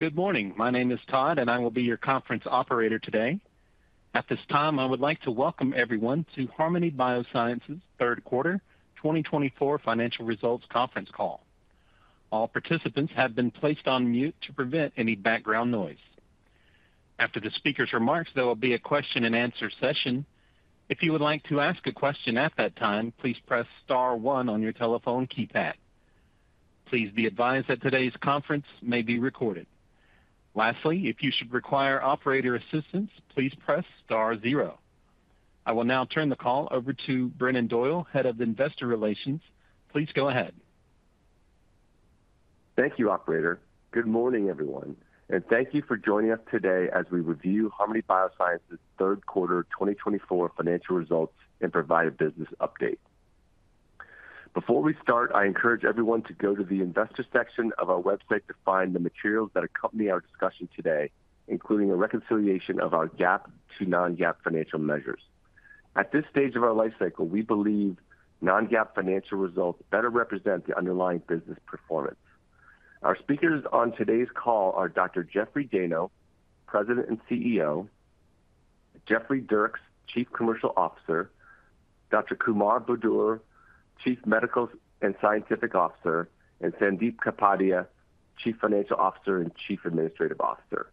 Good morning. My name is Todd, and I will be your conference operator today. At this time, I would like to welcome everyone to Harmony Biosciences' third quarter 2024 financial results conference call. All participants have been placed on mute to prevent any background noise. After the speaker's remarks, there will be a question-and-answer session. If you would like to ask a question at that time, please press star one on your telephone keypad. Please be advised that today's conference may be recorded. Lastly, if you should require operator assistance, please press star zero. I will now turn the call over to Brennan Doyle, Head of Investor Relations. Please go ahead. Thank you, operator. Good morning, everyone, and thank you for joining us today as we review Harmony Biosciences' third quarter 2024 financial results and provide a business update. Before we start, I encourage everyone to go to the investor section of our website to find the materials that accompany our discussion today, including a reconciliation of our GAAP to non-GAAP financial measures. At this stage of our life cycle, we believe non-GAAP financial results better represent the underlying business performance. Our speakers on today's call are Dr. Jeffrey Dayno, President and CEO, Jeffrey Dierks, Chief Commercial Officer, Dr. Kumar Budur, Chief Medical and Scientific Officer, and Sandip Kapadia, Chief Financial Officer and Chief Administrative Officer.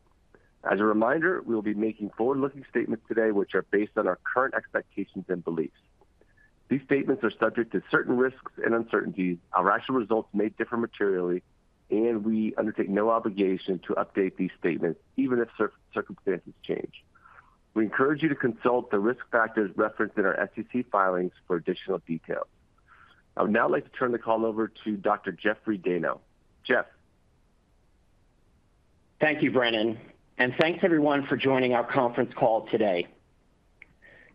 As a reminder, we will be making forward-looking statements today, which are based on our current expectations and beliefs. These statements are subject to certain risks and uncertainties. Our actual results may differ materially, and we undertake no obligation to update these statements, even if circumstances change. We encourage you to consult the risk factors referenced in our SEC filings for additional details. I would now like to turn the call over to Dr. Jeffrey Dayno. Jeff. Thank you, Brennan, and thanks, everyone, for joining our conference call today.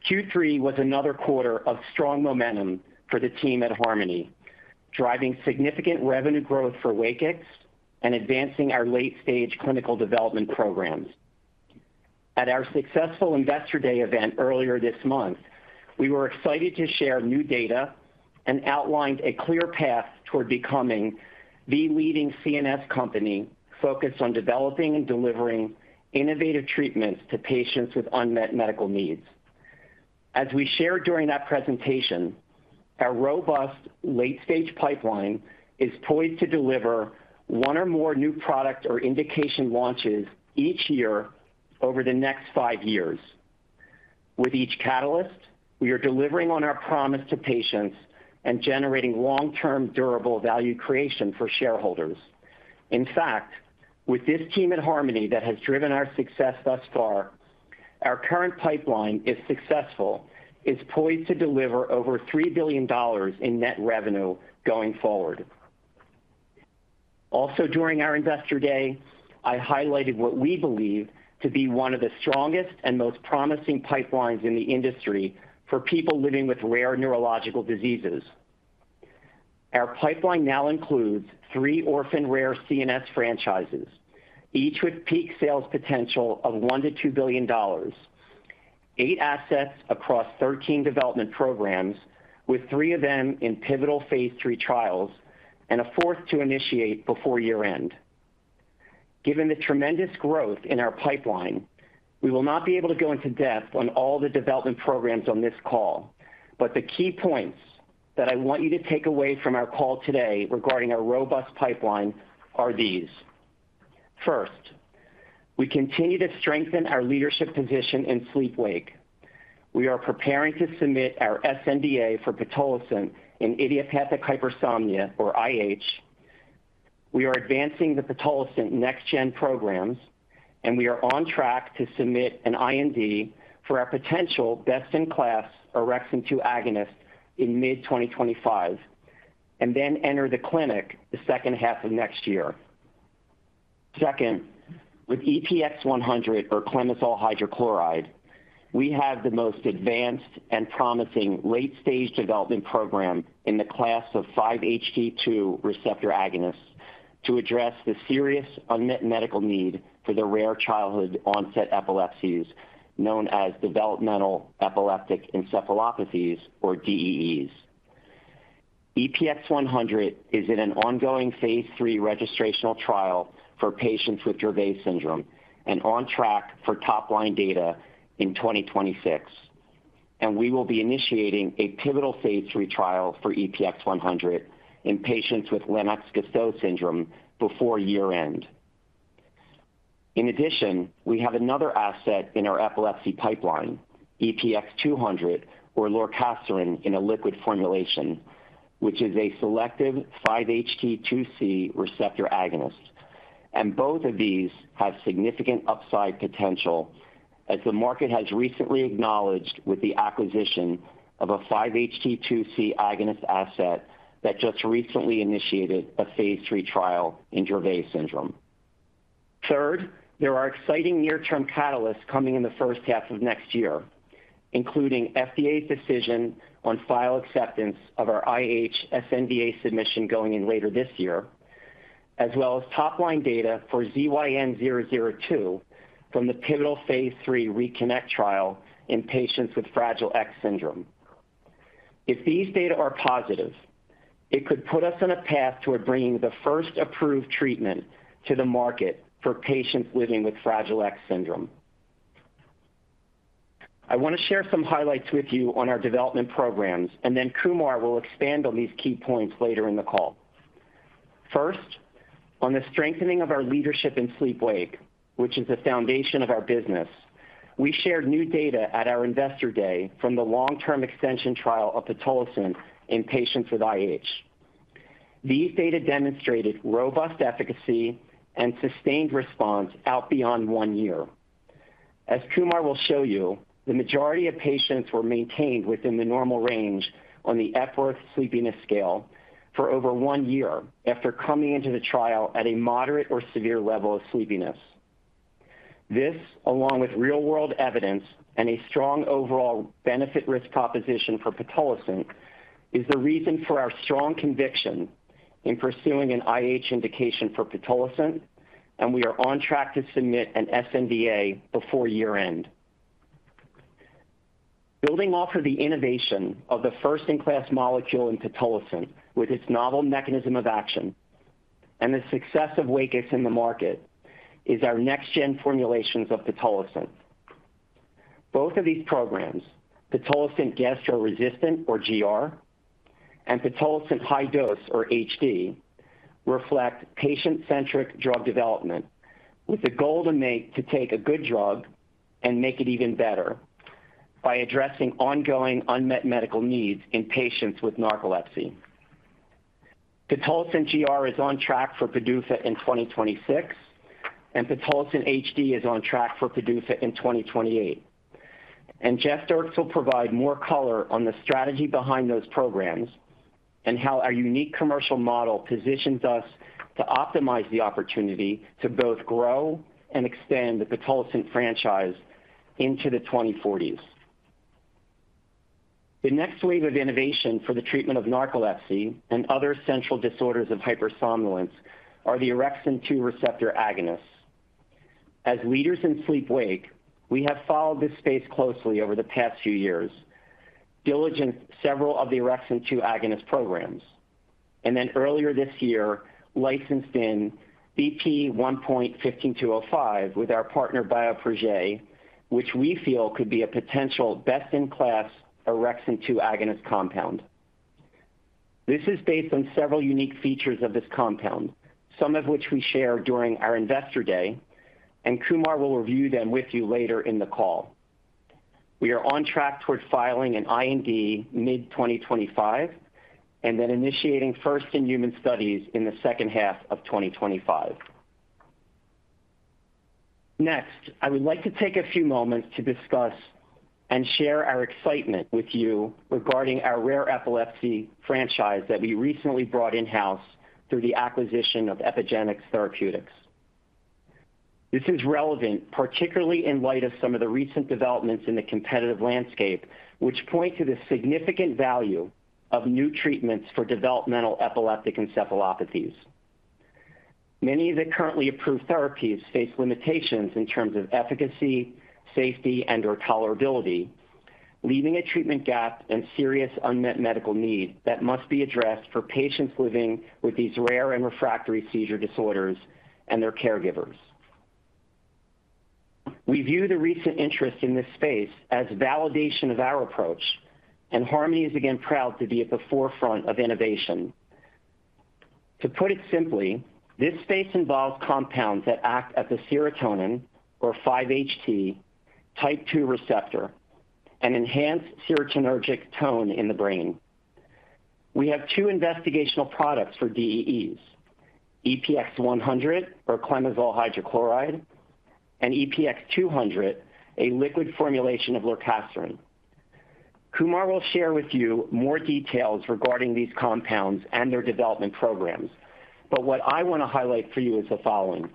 Q3 was another quarter of strong momentum for the team at Harmony, driving significant revenue growth for WAKIX and advancing our late-stage clinical development programs. At our successful Investor Day event earlier this month, we were excited to share new data and outlined a clear path toward becoming the leading CNS company focused on developing and delivering innovative treatments to patients with unmet medical needs. As we shared during that presentation, our robust late-stage pipeline is poised to deliver one or more new product or indication launches each year over the next five years. With each catalyst, we are delivering on our promise to patients and generating long-term durable value creation for shareholders. In fact, with this team at Harmony that has driven our success thus far, our current pipeline, if successful, is poised to deliver over $3 billion in net revenue going forward. Also, during our Investor Day, I highlighted what we believe to be one of the strongest and most promising pipelines in the industry for people living with rare neurological diseases. Our pipeline now includes three orphan-rare CNS franchises, each with peak sales potential of $1-$2 billion, eight assets across 13 development programs, with three of them in pivotal phase 3 trials and a fourth to initiate before year-end. Given the tremendous growth in our pipeline, we will not be able to go into depth on all the development programs on this call, but the key points that I want you to take away from our call today regarding our robust pipeline are these. First, we continue to strengthen our leadership position in sleep/wake. We are preparing to submit our sNDA for pitolisant in idiopathic hypersomnia, or IH. We are advancing the pitolisant next-gen programs, and we are on track to submit an IND for our potential best-in-class orexin-2 agonist in mid-2025, and then enter the clinic the second half of next year. Second, with EPX-100, or clemizole hydrochloride, we have the most advanced and promising late-stage development program in the class of 5-HT2 receptor agonists to address the serious unmet medical need for the rare childhood-onset epilepsies known as developmental epileptic encephalopathies, or DEEs. EPX-100 is in an ongoing phase three registrational trial for patients with Dravet syndrome and on track for top-line data in 2026, and we will be initiating a pivotal phase three trial for EPX-100 in patients with Lennox-Gastaut syndrome before year-end. In addition, we have another asset in our epilepsy pipeline, EPX-200, or lorcaserin in a liquid formulation, which is a selective 5-HT2C receptor agonist. Both of these have significant upside potential, as the market has recently acknowledged with the acquisition of a 5-HT2C agonist asset that just recently initiated a phase 3 trial in Dravet syndrome. Third, there are exciting near-term catalysts coming in the first half of next year, including FDA's decision on file acceptance of our IH SNDA submission going in later this year, as well as top-line data for ZYN-002 from the pivotal phase 3 ReConnect trial in patients with Fragile X syndrome. If these data are positive, it could put us on a path toward bringing the first approved treatment to the market for patients living with Fragile X syndrome. I want to share some highlights with you on our development programs, and then Kumar will expand on these key points later in the call. First, on the strengthening of our leadership in sleep/wake, which is the foundation of our business, we shared new data at our Investor Day from the long-term extension trial of pitolisant in patients with IH. These data demonstrated robust efficacy and sustained response out beyond one year. As Kumar will show you, the majority of patients were maintained within the normal range on the Epworth Sleepiness Scale for over one year after coming into the trial at a moderate or severe level of sleepiness. This, along with real-world evidence and a strong overall benefit-risk proposition for pitolisant, is the reason for our strong conviction in pursuing an IH indication for pitolisant, and we are on track to submit an sNDA before year-end. Building off of the innovation of the first-in-class molecule in pitolisant with its novel mechanism of action and the success of WAKIX in the market is our next-gen formulations of pitolisant. Both of these programs, pitolisant gastro-resistant, or GR, and pitolisant high dose, or HD, reflect patient-centric drug development with the goal to take a good drug and make it even better by addressing ongoing unmet medical needs in patients with narcolepsy. Pitolisant GR is on track for PDUFA in 2026, and pitolisant HD is on track for PDUFA in 2028, and Jeffrey Dierks will provide more color on the strategy behind those programs and how our unique commercial model positions us to optimize the opportunity to both grow and extend the pitolisant franchise into the 2040s. The next wave of innovation for the treatment of narcolepsy and other central disorders of hypersomnolence are the orexin-2 receptor agonists. As leaders in sleep/wake, we have followed this space closely over the past few years, diligenced several of the orexin- 2 agonist programs, and then earlier this year, licensed in BP1.15205 with our partner BioProjet, which we feel could be a potential best-in-class orexin- 2 agonist compound. This is based on several unique features of this compound, some of which we shared during our Investor Day, and Kumar will review them with you later in the call. We are on track toward filing an IND mid-2025 and then initiating first-in-human studies in the second half of 2025. Next, I would like to take a few moments to discuss and share our excitement with you regarding our rare epilepsy franchise that we recently brought in-house through the acquisition of Epygenix Therapeutics. This is relevant, particularly in light of some of the recent developments in the competitive landscape, which point to the significant value of new treatments for developmental epileptic encephalopathies. Many of the currently approved therapies face limitations in terms of efficacy, safety, and/or tolerability, leaving a treatment gap and serious unmet medical need that must be addressed for patients living with these rare and refractory seizure disorders and their caregivers. We view the recent interest in this space as validation of our approach, and Harmony is again proud to be at the forefront of innovation. To put it simply, this space involves compounds that act at the serotonin, or 5-HT, type 2 receptor and enhance serotonergic tone in the brain. We have two investigational products for DEEs: EPX-100, or clemizole hydrochloride, and EPX-200, a liquid formulation of lorcaserin. Kumar will share with you more details regarding these compounds and their development programs, but what I want to highlight for you is the following.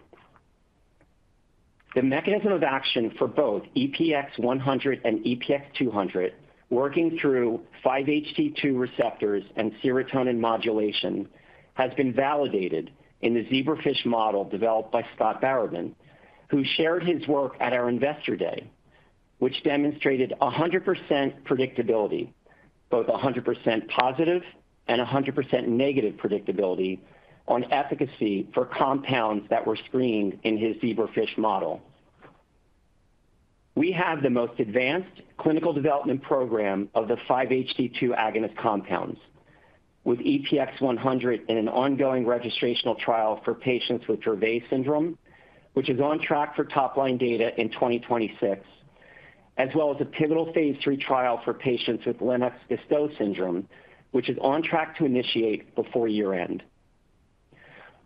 The mechanism of action for both EPX-100 and EPX-200, working through 5-HT2 receptors and serotonin modulation, has been validated in the zebrafish model developed by Scott Baraban, who shared his work at our Investor Day, which demonstrated 100% predictability, both 100% positive and 100% negative predictability on efficacy for compounds that were screened in his zebrafish model. We have the most advanced clinical development program of the 5-HT2 agonist compounds, with EPX-100 in an ongoing registrational trial for patients with Dravet syndrome, which is on track for top-line data in 2026, as well as a pivotal phase three trial for patients with Lennox-Gastaut syndrome, which is on track to initiate before year-end.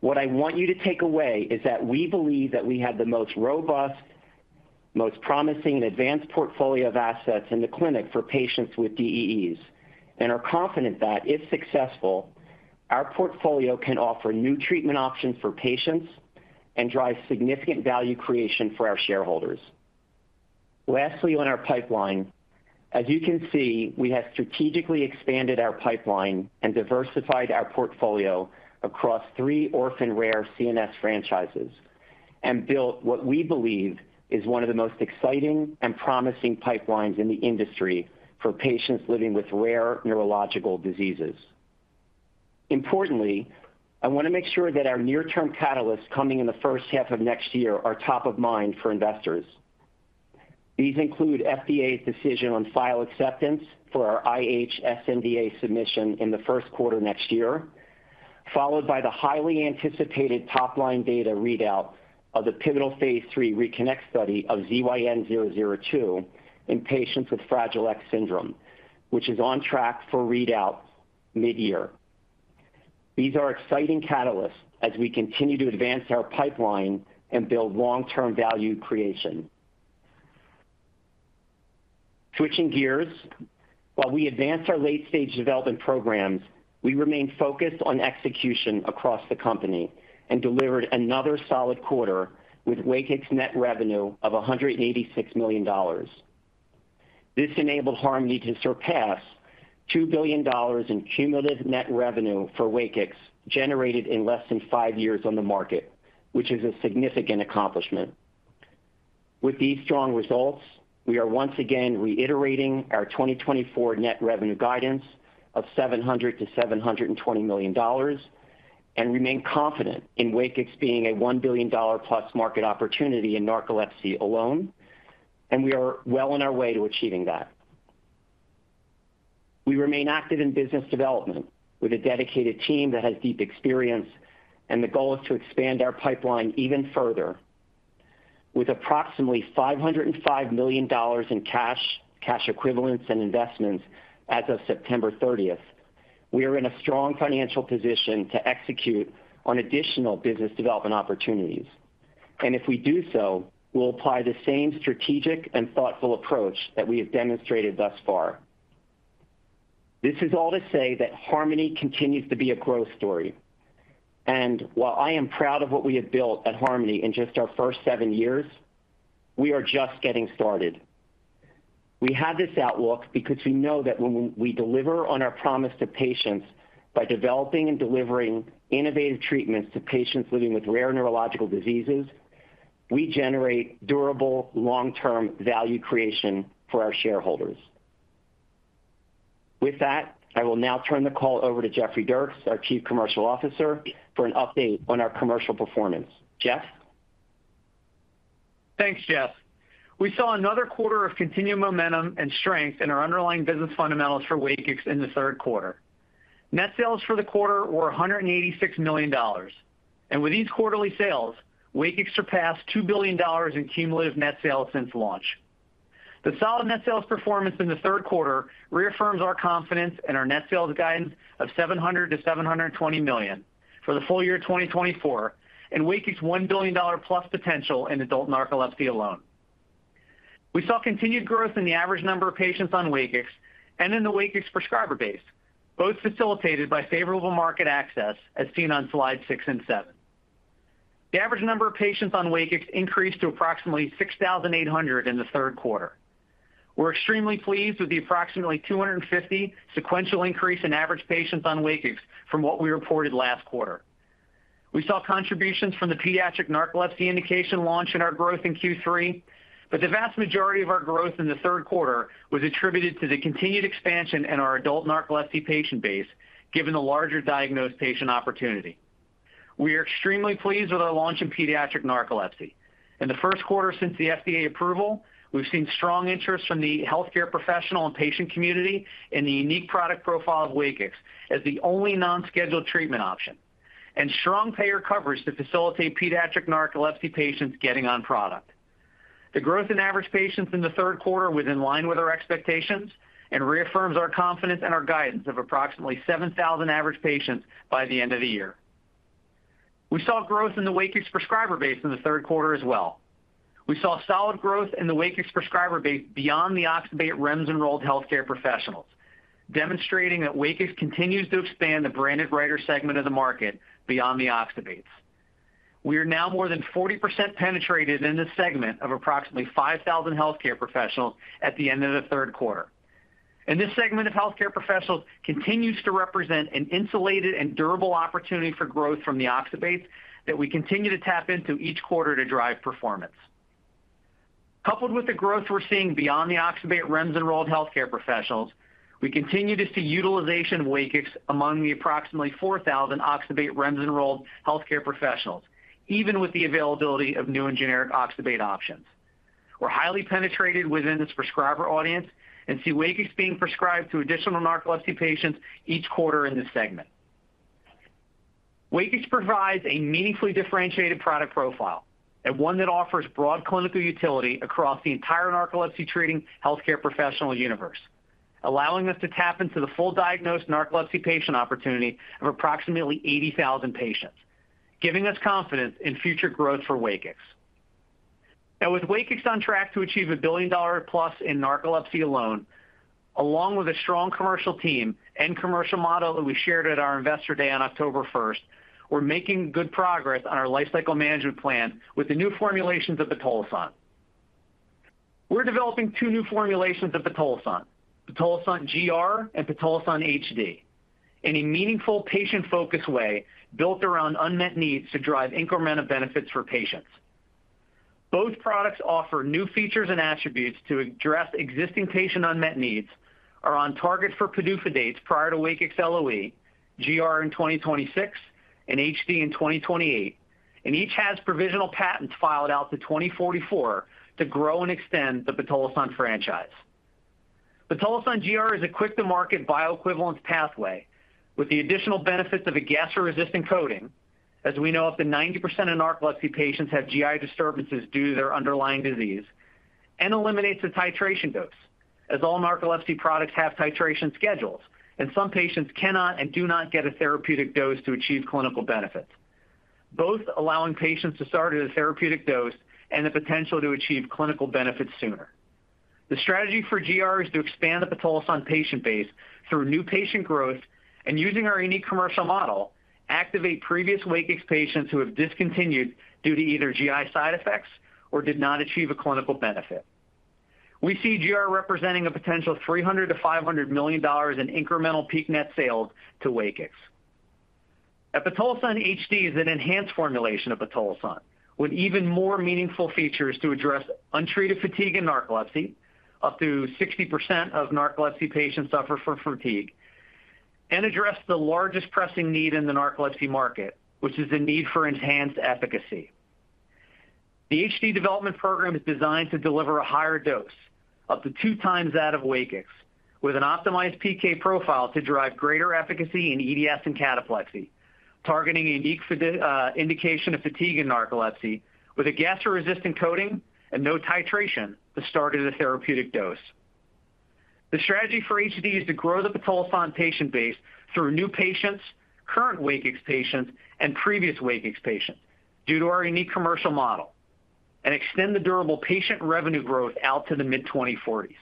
What I want you to take away is that we believe that we have the most robust, most promising, and advanced portfolio of assets in the clinic for patients with DEEs and are confident that, if successful, our portfolio can offer new treatment options for patients and drive significant value creation for our shareholders. Lastly, on our pipeline, as you can see, we have strategically expanded our pipeline and diversified our portfolio across three orphan-rare CNS franchises and built what we believe is one of the most exciting and promising pipelines in the industry for patients living with rare neurological diseases. Importantly, I want to make sure that our near-term catalysts coming in the first half of next year are top of mind for investors. These include FDA's decision on file acceptance for our IH SNDA submission in the first quarter next year, followed by the highly anticipated top-line data readout of the pivotal phase 3 ReConnect study of ZYN-002 in patients with Fragile X syndrome, which is on track for readout mid-year. These are exciting catalysts as we continue to advance our pipeline and build long-term value creation. Switching gears, while we advance our late-stage development programs, we remain focused on execution across the company and delivered another solid quarter with WAKIX's net revenue of $186 million. This enabled Harmony to surpass $2 billion in cumulative net revenue for WAKIX generated in less than five years on the market, which is a significant accomplishment. With these strong results, we are once again reiterating our 2024 net revenue guidance of $700-$720 million and remain confident in WAKIX being a $1 billion-plus market opportunity in narcolepsy alone, and we are well on our way to achieving that. We remain active in business development with a dedicated team that has deep experience, and the goal is to expand our pipeline even further. With approximately $505 million in cash, cash equivalents, and investments as of September 30th, we are in a strong financial position to execute on additional business development opportunities. And if we do so, we'll apply the same strategic and thoughtful approach that we have demonstrated thus far. This is all to say that Harmony continues to be a growth story. And while I am proud of what we have built at Harmony in just our first seven years, we are just getting started. We have this outlook because we know that when we deliver on our promise to patients by developing and delivering innovative treatments to patients living with rare neurological diseases, we generate durable, long-term value creation for our shareholders. With that, I will now turn the call over to Jeffrey Dierks, our Chief Commercial Officer, for an update on our commercial performance. Jeff? Thanks, Jeff. We saw another quarter of continued momentum and strength in our underlying business fundamentals for WAKIX in the third quarter. Net sales for the quarter were $186 million, and with these quarterly sales, WAKIX surpassed $2 billion in cumulative net sales since launch. The solid net sales performance in the third quarter reaffirms our confidence in our net sales guidance of $700-$720 million for the full year 2024 and WAKIX's $1 billion-plus potential in adult narcolepsy alone. We saw continued growth in the average number of patients on WAKIX and in the WAKIX prescriber base, both facilitated by favorable market access, as seen on slides six and seven. The average number of patients on WAKIX increased to approximately 6,800 in the third quarter. We're extremely pleased with the approximately 250 sequential increase in average patients on WAKIX from what we reported last quarter. We saw contributions from the pediatric narcolepsy indication launch in our growth in Q3, but the vast majority of our growth in the third quarter was attributed to the continued expansion in our adult narcolepsy patient base, given the larger diagnosed patient opportunity. We are extremely pleased with our launch in pediatric narcolepsy. In the first quarter since the FDA approval, we've seen strong interest from the healthcare professional and patient community in the unique product profile of WAKIX as the only non-scheduled treatment option and strong payer coverage to facilitate pediatric narcolepsy patients getting on product. The growth in average patients in the third quarter was in line with our expectations and reaffirms our confidence in our guidance of approximately 7,000 average patients by the end of the year. We saw growth in the WAKIX prescriber base in the third quarter as well. We saw solid growth in the WAKIX prescriber base beyond the OXYBATE REMS enrolled healthcare professionals, demonstrating that WAKIX continues to expand the Branded Oxybate segment of the market beyond the OXYBATEs. We are now more than 40% penetrated in this segment of approximately 5,000 healthcare professionals at the end of the third quarter. This segment of healthcare professionals continues to represent an insulated and durable opportunity for growth from the oxybates that we continue to tap into each quarter to drive performance. Coupled with the growth we're seeing beyond the Oxybate REMS enrolled healthcare professionals, we continue to see utilization of WAKIX among the approximately 4,000 Oxybate REMS enrolled healthcare professionals, even with the availability of new and generic oxybate options. We're highly penetrated within this prescriber audience and see WAKIX being prescribed to additional narcolepsy patients each quarter in this segment. WAKIX provides a meaningfully differentiated product profile and one that offers broad clinical utility across the entire narcolepsy treating healthcare professional universe, allowing us to tap into the full diagnosed narcolepsy patient opportunity of approximately 80,000 patients, giving us confidence in future growth for WAKIX. With WAKIX on track to achieve $1 billion-plus in narcolepsy alone, along with a strong commercial team and commercial model that we shared at our Investor Day on October 1st, we're making good progress on our lifecycle management plan with the new formulations of pitolisant. We're developing two new formulations of pitolisant, Pitolisant GR and Pitolisant HD, in a meaningful patient-focused way built around unmet needs to drive incremental benefits for patients. Both products offer new features and attributes to address existing patient unmet needs, are on target for PDUFA dates prior to WAKIX LOE, GR in 2026, and HD in 2028, and each has provisional patents filed out to 2044 to grow and extend the pitolisant franchise. Pitolisant GR is a quick-to-market bioequivalence pathway with the additional benefits of a gastro-resistant coating, as we know up to 90% of narcolepsy patients have GI disturbances due to their underlying disease, and eliminates the titration dose, as all narcolepsy products have titration schedules, and some patients cannot and do not get a therapeutic dose to achieve clinical benefits, both allowing patients to start at a therapeutic dose and the potential to achieve clinical benefits sooner. The strategy for GR is to expand the Pitolisant patient base through new patient growth and, using our unique commercial model, activate previous WAKIX patients who have discontinued due to either GI side effects or did not achieve a clinical benefit. We see GR representing a potential $300-$500 million in incremental peak net sales to WAKIX. A Pitolisant HD is an enhanced formulation of pitolisant with even more meaningful features to address untreated fatigue in narcolepsy, up to 60% of narcolepsy patients suffer from fatigue, and address the largest pressing need in the narcolepsy market, which is the need for enhanced efficacy. The HD development program is designed to deliver a higher dose, up to two times that of WAKIX, with an optimized PK profile to drive greater efficacy in EDS and cataplexy, targeting a unique indication of fatigue in narcolepsy with a gastro-resistant coating and no titration to start at a therapeutic dose. The strategy for HD is to grow the pitolisant patient base through new patients, current WAKIX patients, and previous WAKIX patients due to our unique commercial model and extend the durable patient revenue growth out to the mid-2040s.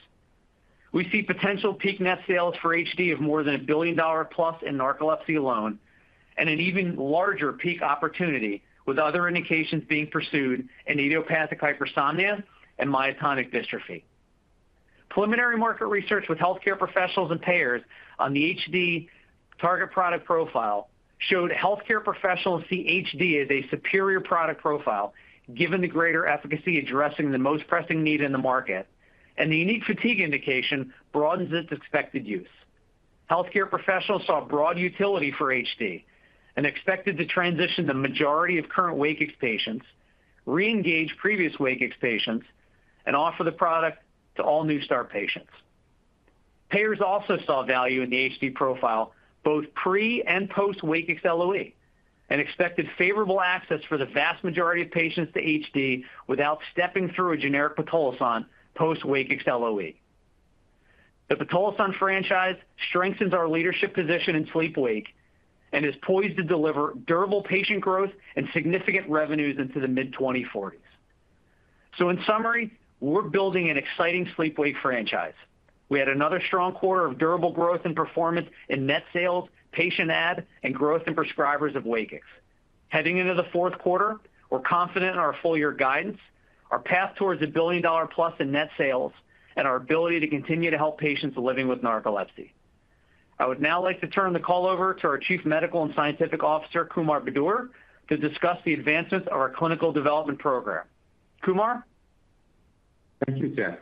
We see potential peak net sales for HD of more than a billion-plus in narcolepsy alone and an even larger peak opportunity, with other indications being pursued in idiopathic hypersomnia and myotonic dystrophy. Preliminary market research with healthcare professionals and payers on the HD target product profile showed healthcare professionals see HD as a superior product profile given the greater efficacy addressing the most pressing need in the market, and the unique fatigue indication broadens its expected use. Healthcare professionals saw broad utility for HD and expected to transition the majority of current WAKIX patients, reengage previous WAKIX patients, and offer the product to all new start patients. Payers also saw value in the HD profile, both pre and post-WAKIX LOE, and expected favorable access for the vast majority of patients to HD without stepping through a generic pitolisant post-WAKIX LOE. The pitolisant franchise strengthens our leadership position in sleep/wake and is poised to deliver durable patient growth and significant revenues into the mid-2040s. In summary, we're building an exciting sleep/wake franchise. We had another strong quarter of durable growth and performance in net sales, patient add, and growth in prescribers of WAKIX. Heading into the fourth quarter, we're confident in our full-year guidance, our path towards a $1 billion-plus in net sales, and our ability to continue to help patients living with narcolepsy. I would now like to turn the call over to our Chief Medical and Scientific Officer, Kumar Budur, to discuss the advancements of our clinical development program. Kumar? Thank you, Jeff.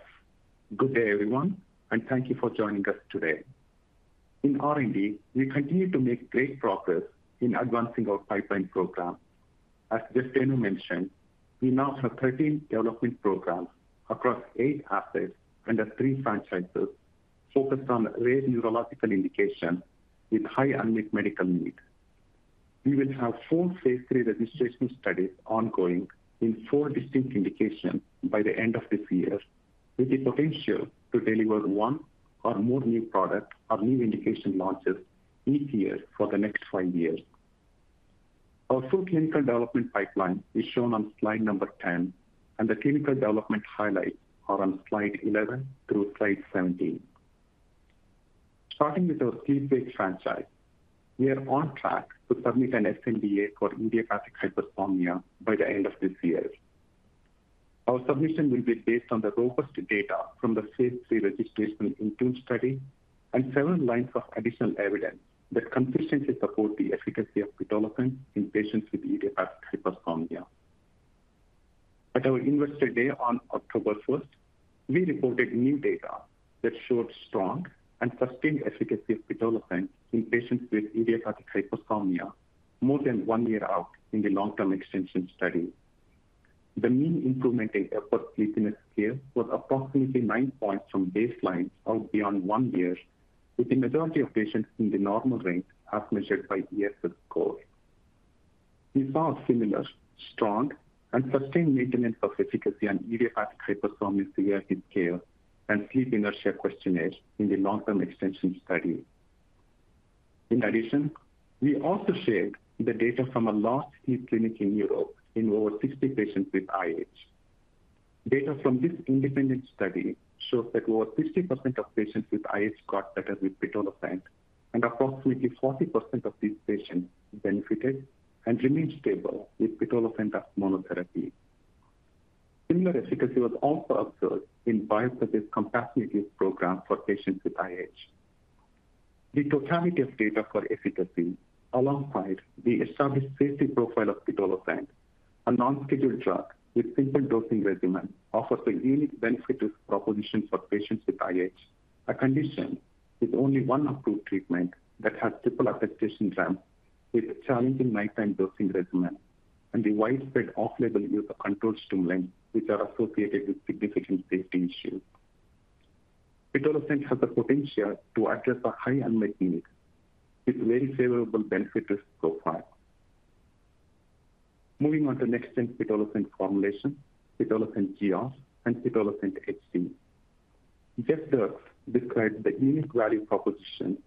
Good day, everyone, and thank you for joining us today. In R&D, we continue to make great progress in advancing our pipeline program. As Jeff Dayno mentioned, we now have 13 development programs across eight assets under three franchises focused on rare neurological indications with high unmet medical needs. We will have four phase 3 registration studies ongoing in four distinct indications by the end of this year, with the potential to deliver one or more new products or new indication launches each year for the next five years. Our full clinical development pipeline is shown on slide number 10, and the clinical development highlights are on slide 11 through slide 17. Starting with our Sleep/Wake franchise, we are on track to submit an sNDA for idiopathic hypersomnia by the end of this year. Our submission will be based on the robust data from the phase 3 registration in two studies and several lines of additional evidence that consistently support the efficacy of pitolisant in patients with idiopathic hypersomnia. At our investor day on October 1st, we reported new data that showed strong and sustained efficacy of pitolisant in patients with idiopathic hypersomnia more than one year out in the long-term extension study. The mean improvement in Epworth Sleepiness Scale was approximately nine points from baseline out beyond one year, with the majority of patients in the normal range as measured by ESS score. We saw a similar, strong, and sustained maintenance of efficacy on idiopathic hypersomnia seen in scale and sleep inertia questionnaires in the long-term extension study. In addition, we also shared the data from a large sleep clinic in Europe in over 60 patients with IH. Data from this independent study shows that over 60% of patients with IH got better with pitolisant, and approximately 40% of these patients benefited and remained stable with pitolisant monotherapy. Similar efficacy was also observed in biopsy-based compassionate use programs for patients with IH. The totality of data for efficacy, alongside the established safety profile of pitolisant, a non-scheduled drug with simple dosing regimen, offers a unique benefit proposition for patients with IH, a condition with only one approved treatment that has triple attestation REMS with challenging nighttime dosing regimen and the widespread off-label use of controlled stimulants, which are associated with significant safety issues. Pitolisant has the potential to address a high unmet need with very favorable benefit risk profile. Moving on to next-gen pitolisant formulation, pitolisant GR, and pitolisant HD. Jeff Dierks described the unique value proposition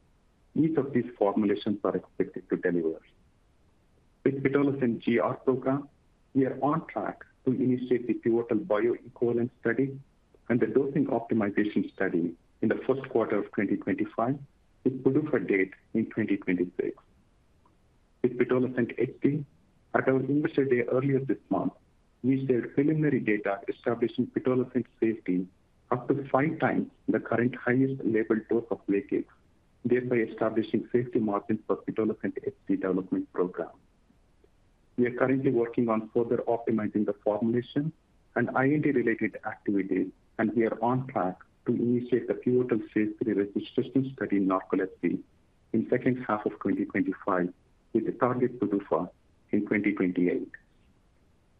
each of these formulations are expected to deliver. With pitolisant GR program, we are on track to initiate the pivotal bioequivalence study and the dosing optimization study in the first quarter of 2025 with PDUFA date in 2026. With pitolisant HD, at our investor day earlier this month, we shared preliminary data establishing pitolisant safety up to five times the current highest labeled dose of WAKIX, thereby establishing safety margin for pitolisant HD development program. We are currently working on further optimizing the formulation and IND-related activities, and we are on track to initiate the pivotal phase 3 registration study in narcolepsy in the second half of 2025 with the target PDUFA in 2028.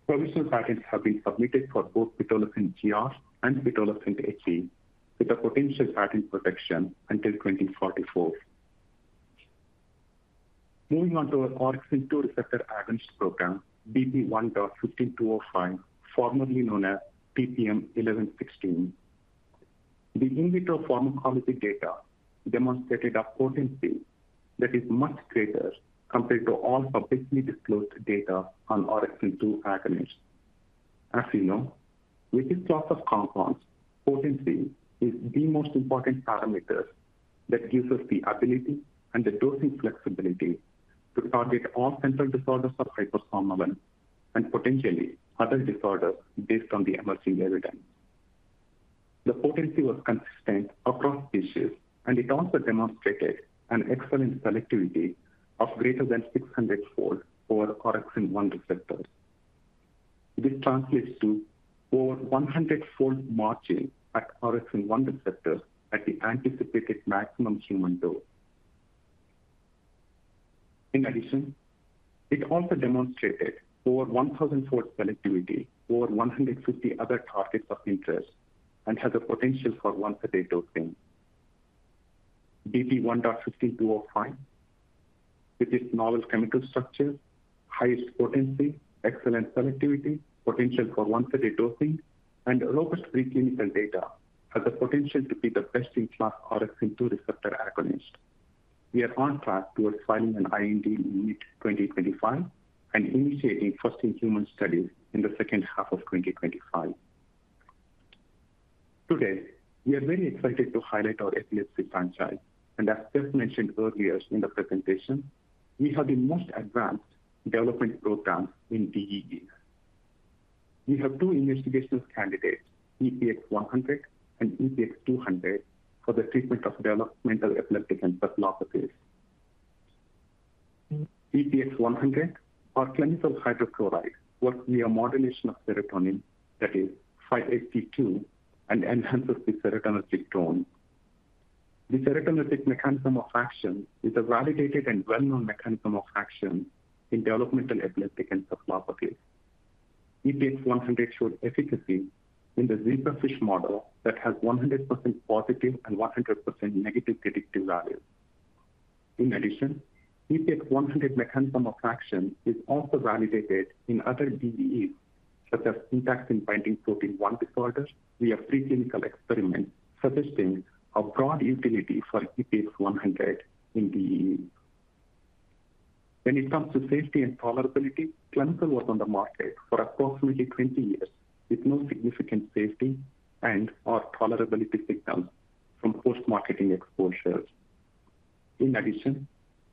Provisional patents have been submitted for both pitolisant GR and pitolisant HD with a potential patent protection until 2044. Moving on to our orexin-2 receptor agonist program, BP1.15205, formerly known as TPM-1116. The in vitro pharmacology data demonstrated a potency that is much greater compared to all publicly disclosed data on orexin-2 agonists. As you know, with this class of compounds, potency is the most important parameter that gives us the ability and the dosing flexibility to target all central disorders of hypersomnolence and potentially other disorders based on the emerging evidence. The potency was consistent across species, and it also demonstrated an excellent selectivity of greater than 600-fold over orexin-1 receptors. This translates to over 100-fold margin at orexin-1 receptors at the anticipated maximum human dose. In addition, it also demonstrated over 1,000-fold selectivity over 150 other targets of interest and has a potential for once-a-day dosing. BP1.15205, with its novel chemical structure, highest potency, excellent selectivity, potential for once-a-day dosing, and robust preclinical data, has the potential to be the best-in-class orexin-2 receptor agonist. We are on track towards filing an IND in mid-2025 and initiating first-in-human studies in the second half of 2025. Today, we are very excited to highlight our epilepsy franchise, and as Jeff mentioned earlier in the presentation, we have the most advanced development programs in DEEs. We have two investigational candidates, EPX-100 and EPX-200, for the treatment of developmental epileptic encephalopathies. EPX-100, our clemizole hydrochloride, works via modulation of serotonin, that is, 5-HT2, and enhances the serotonin receptor. The serotonin receptor mechanism of action is a validated and well-known mechanism of action in developmental epileptic encephalopathies. EPX-100 showed efficacy in the zebrafish model that has 100% positive and 100% negative predictive values. In addition, EPX-100 mechanism of action is also validated in other DEEs, such as Syntaxin-binding protein 1 disorders, via preclinical experiments, suggesting a broad utility for EPX-100 in DEEs. When it comes to safety and tolerability, clemizole was on the market for approximately 20 years with no significant safety and/or tolerability signals from post-marketing exposures. In addition,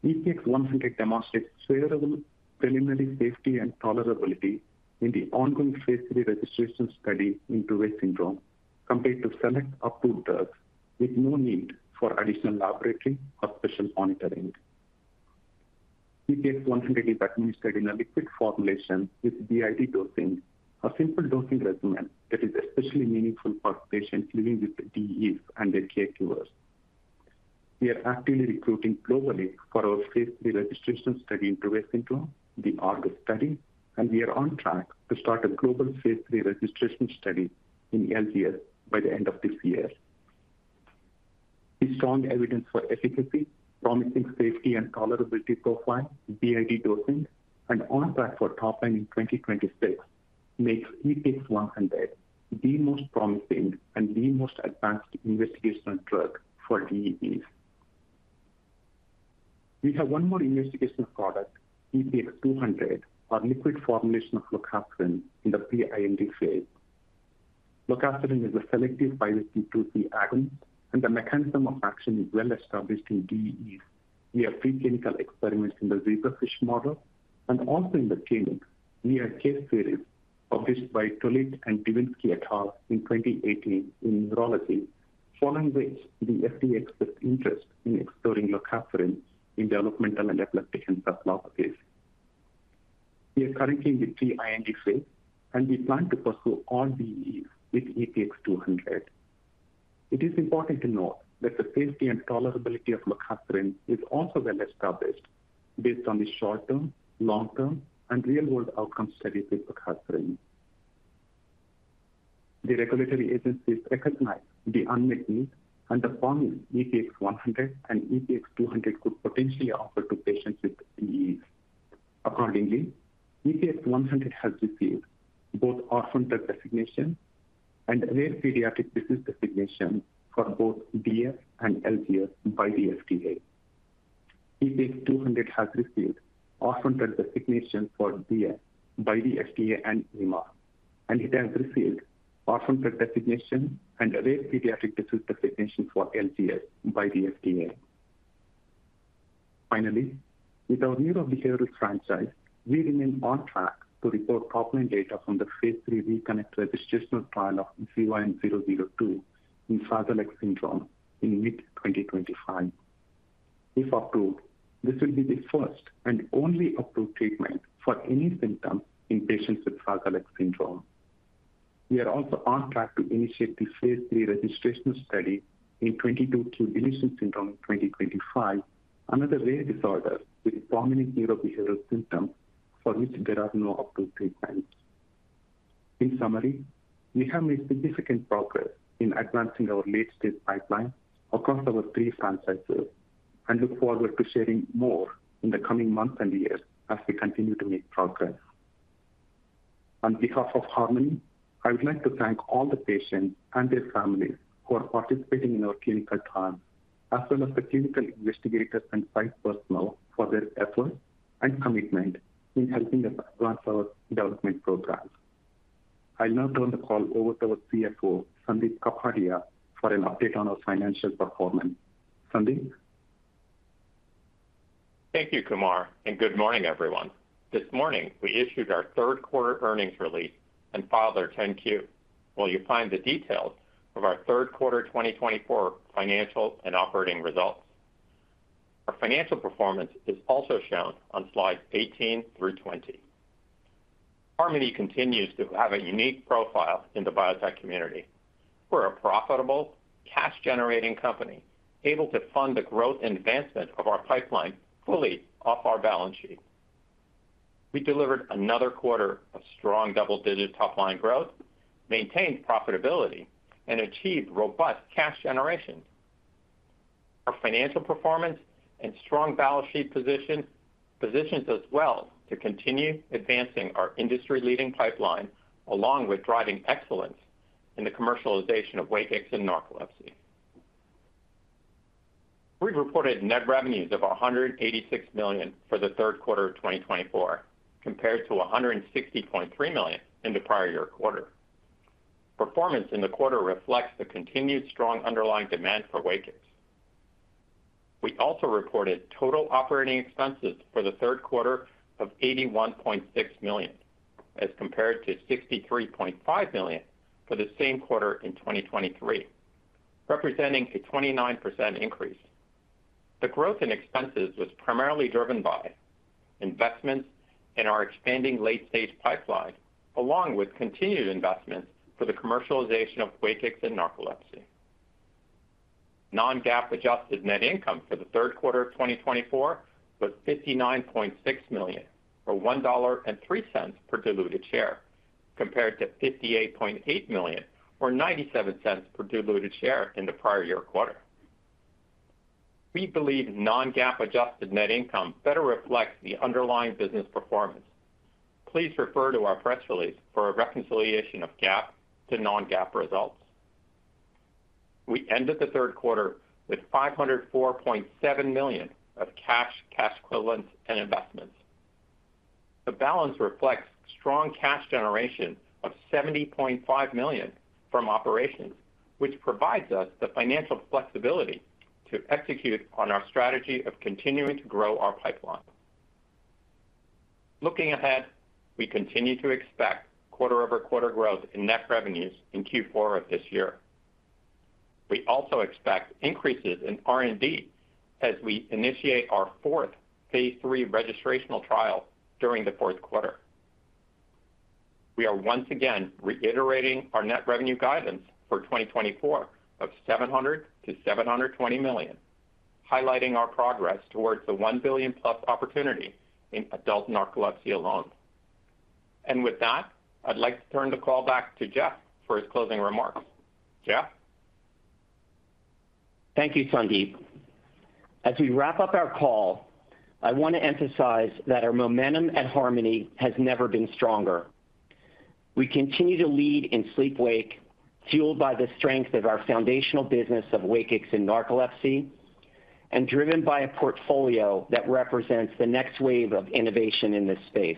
EPX-100 demonstrates favorable preliminary safety and tolerability in the ongoing phase 3 registration study in Dravet syndrome compared to select approved drugs with no need for additional laboratory or special monitoring. EPX-100 is administered in a liquid formulation with BID dosing, a simple dosing regimen that is especially meaningful for patients living with DEEs and their caregivers. We are actively recruiting globally for our phase 3 registration study in Dravet syndrome, the ARGUS study, and we are on track to start a global phase 3 registration study in LGS by the end of this year. The strong evidence for efficacy, promising safety and tolerability profile, BID dosing, and on track for top line in 2026 makes EPX-100 the most promising and the most advanced investigational drug for DEEs. We have one more investigational product, EPX-200, our liquid formulation of lorcaserin in the pre-IND phase. Lorcaserin is a selective 5-HT2C agonist, and the mechanism of action is well established in DEEs via preclinical experiments in the zebrafish model and also in the clinic via a case series published by Tolete and Devinsky et al. in 2018 in Neurology, following which the FDA expressed interest in exploring lorcaserin in developmental and epileptic encephalopathies. We are currently in the pre-IND phase, and we plan to pursue all DEEs with EPX-200. It is important to note that the safety and tolerability of lorcaserin is also well established based on the short-term, long-term, and real-world outcome studies with lorcaserin. The regulatory agencies recognize the unmet need and the formulation EPX-100 and EPX-200 could potentially offer to patients with DEEs. Accordingly, EPX-100 has received both Orphan Drug Designation and Rare Pediatric Disease Designation for both DS and LGS by the FDA. EPX-200 has received Orphan Drug Designation for DS by the FDA and EMA, and it has received Orphan Drug Designation and Rare Pediatric Disease Designation for LGS by the FDA. Finally, with our neurobehavioral franchise, we remain on track to report top-line data from the phase three ReConnect registrational trial of ZYN-002 in Fragile X syndrome in mid-2025. If approved, this will be the first and only approved treatment for any symptoms in patients with Fragile X syndrome. We are also on track to initiate the phase three registration study in 22q deletion syndrome in 2025, another rare disorder with prominent neurobehavioral symptoms for which there are no approved treatments. In summary, we have made significant progress in advancing our late-stage pipeline across our three franchises and look forward to sharing more in the coming months and years as we continue to make progress. On behalf of Harmony, I would like to thank all the patients and their families who are participating in our clinical trials, as well as the clinical investigators and site personnel for their effort and commitment in helping us advance our development programs. I'll now turn the call over to our CFO, Sandip Kapadia, for an update on our financial performance. Sandip? Thank you, Kumar, and good morning, everyone. This morning, we issued our third-quarter earnings release and filed our 10-Q, where you find the details of our third-quarter 2024 financial and operating results. Our financial performance is also shown on slides 18 through 20. Harmony continues to have a unique profile in the biotech community. We're a profitable, cash-generating company able to fund the growth and advancement of our pipeline fully off our balance sheet. We delivered another quarter of strong double-digit top-line growth, maintained profitability, and achieved robust cash generation. Our financial performance and strong balance sheet position positions us well to continue advancing our industry-leading pipeline along with driving excellence in the commercialization of WAKIX and narcolepsy. We reported net revenues of $186 million for the third quarter of 2024, compared to $160.3 million in the prior year quarter. Performance in the quarter reflects the continued strong underlying demand for WAKIX. We also reported total operating expenses for the third quarter of $81.6 million, as compared to $63.5 million for the same quarter in 2023, representing a 29% increase. The growth in expenses was primarily driven by investments in our expanding late-stage pipeline, along with continued investments for the commercialization of WAKIX and narcolepsy. Non-GAAP-adjusted net income for the third quarter of 2024 was 59.6 million or $1.03 per diluted share, compared to 58.8 million or $0.97 per diluted share in the prior year quarter. We believe non-GAAP-adjusted net income better reflects the underlying business performance. Please refer to our press release for a reconciliation of GAAP to non-GAAP results. We ended the third quarter with 504.7 million of cash, cash equivalents, and investments. The balance reflects strong cash generation of 70.5 million from operations, which provides us the financial flexibility to execute on our strategy of continuing to grow our pipeline. Looking ahead, we continue to expect quarter-over-quarter growth in net revenues in Q4 of this year. We also expect increases in R&D as we initiate our fourth phase 3 registrational trial during the fourth quarter. We are once again reiterating our net revenue guidance for 2024 of $700 million-$720 million, highlighting our progress towards the $1 billion-plus opportunity in adult narcolepsy alone. And with that, I'd like to turn the call back to Jeff for his closing remarks. Jeff? Thank you, Sandip. As we wrap up our call, I want to emphasize that our momentum at Harmony has never been stronger. We continue to lead in sleep-wake, fueled by the strength of our foundational business of WAKIX and narcolepsy, and driven by a portfolio that represents the next wave of innovation in this space.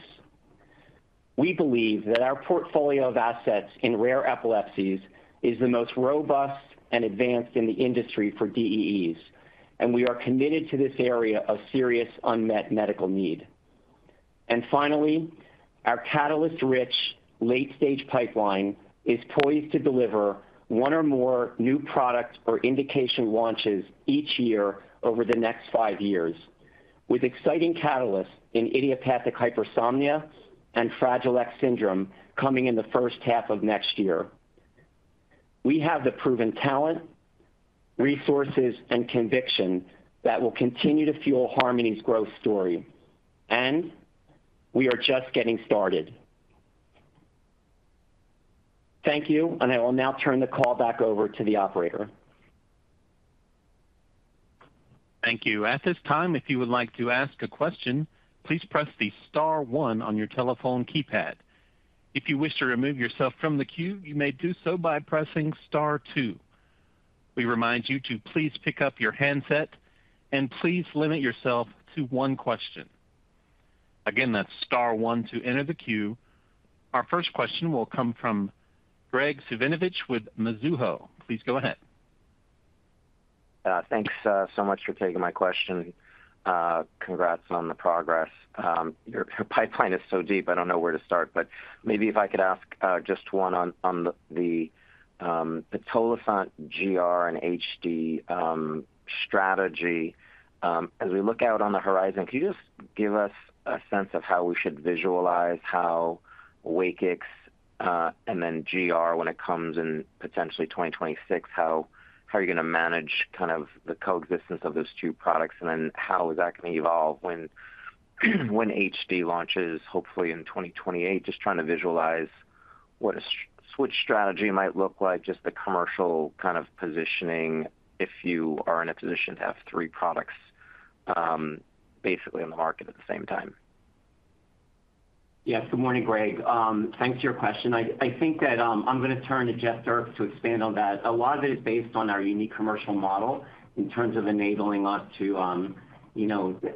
We believe that our portfolio of assets in rare epilepsies is the most robust and advanced in the industry for DEEs, and we are committed to this area of serious unmet medical need. And finally, our catalyst-rich late-stage pipeline is poised to deliver one or more new product or indication launches each year over the next five years, with exciting catalysts in idiopathic hypersomnia and Fragile X syndrome coming in the first half of next year. We have the proven talent, resources, and conviction that will continue to fuel Harmony's growth story, and we are just getting started. Thank you, and I will now turn the call back over to the operator. Thank you. At this time, if you would like to ask a question, please press the star one on your telephone keypad. If you wish to remove yourself from the queue, you may do so by pressing star two. We remind you to please pick up your handset and please limit yourself to one question. Again, that's star one to enter the queue. Our first question will come from Graig Suvannavejh with Mizuho. Please go ahead. Thanks so much for taking my question. Congrats on the progress. Your pipeline is so deep, I don't know where to start, but maybe if I could ask just one on the Pitolisant GR and HD strategy. As we look out on the horizon, can you just give us a sense of how we should visualize how WAKIX and then GR, when it comes in potentially 2026, how you're going to manage kind of the coexistence of those two products, and then how is that going to evolve when HD launches, hopefully in 2028? Just trying to visualize what a switch strategy might look like, just the commercial kind of positioning if you are in a position to have three products basically on the market at the same time. Yes. Good morning, Greg. Thanks for your question. I think that I'm going to turn to Jeff Dierks to expand on that. A lot of it is based on our unique commercial model in terms of enabling us to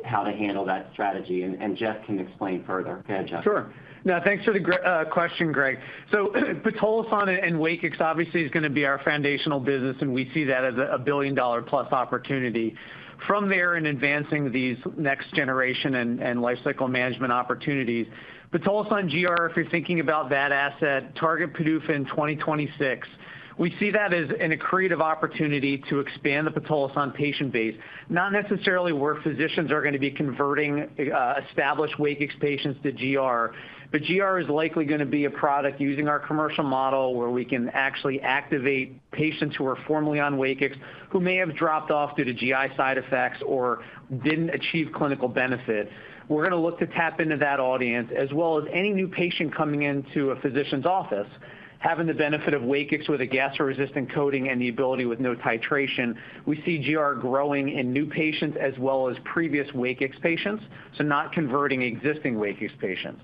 how to handle that strategy, and Jeff can explain further. Go ahead, Jeff. Sure. No, thanks for the question, Greg. So Pitolisant and WAKIX obviously is going to be our foundational business, and we see that as a billion-dollar-plus opportunity. From there in advancing these next-generation and lifecycle management opportunities, Pitolisant GR, if you're thinking about that asset, target PDUFA in 2026. We see that as an accretive opportunity to expand the total addressable patient base, not necessarily where physicians are going to be converting established WAKIX patients to GR, but GR is likely going to be a product using our commercial model where we can actually activate patients who are formerly on WAKIX, who may have dropped off due to GI side effects or didn't achieve clinical benefit. We're going to look to tap into that audience, as well as any new patient coming into a physician's office, having the benefit of WAKIX with a gastro-resistant coating and the ability with no titration. We see GR growing in new patients as well as previous WAKIX patients, so not converting existing WAKIX patients.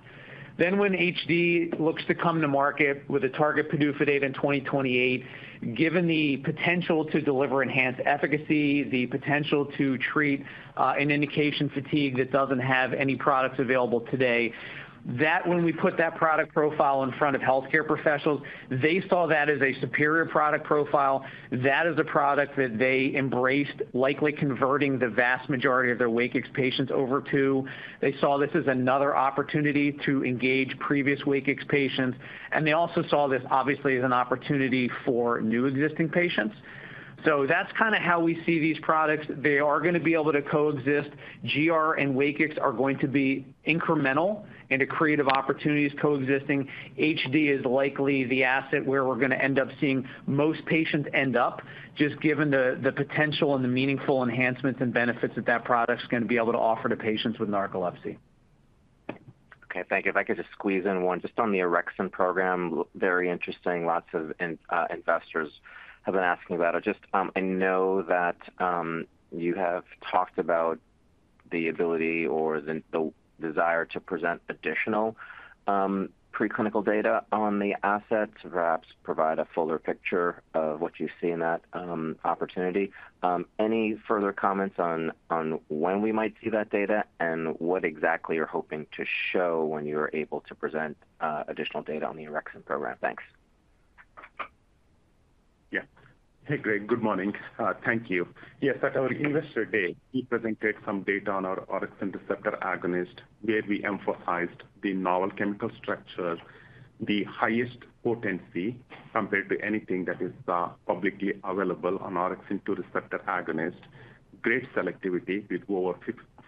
Then when HD looks to come to market with a target PDUFA date in 2028, given the potential to deliver enhanced efficacy, the potential to treat idiopathic hypersomnia that doesn't have any products available today, that when we put that product profile in front of healthcare professionals, they saw that as a superior product profile. That is a product that they embraced, likely converting the vast majority of their WAKIX patients over to. They saw this as another opportunity to engage previous WAKIX patients, and they also saw this, obviously, as an opportunity for new existing patients. So that's kind of how we see these products. They are going to be able to coexist. GR and WAKIX are going to be incremental and accretive opportunities coexisting. HD is likely the asset where we're going to end up seeing most patients end up, just given the potential and the meaningful enhancements and benefits that that product's going to be able to offer to patients with narcolepsy. Okay. Thank you. If I could just squeeze in one, just on the orexin program, very interesting. Lots of investors have been asking about it. Just I know that you have talked about the ability or the desire to present additional preclinical data on the assets, perhaps provide a fuller picture of what you see in that opportunity. Any further comments on when we might see that data and what exactly you're hoping to show when you're able to present additional data on the orexin program? Thanks. Yeah. Hey, Greg. Good morning. Thank you. Yes. At our investor day, we presented some data on our orexin receptor agonist, where we emphasized the novel chemical structure, the highest potency compared to anything that is publicly available on orexin-2 receptor agonist, great selectivity with over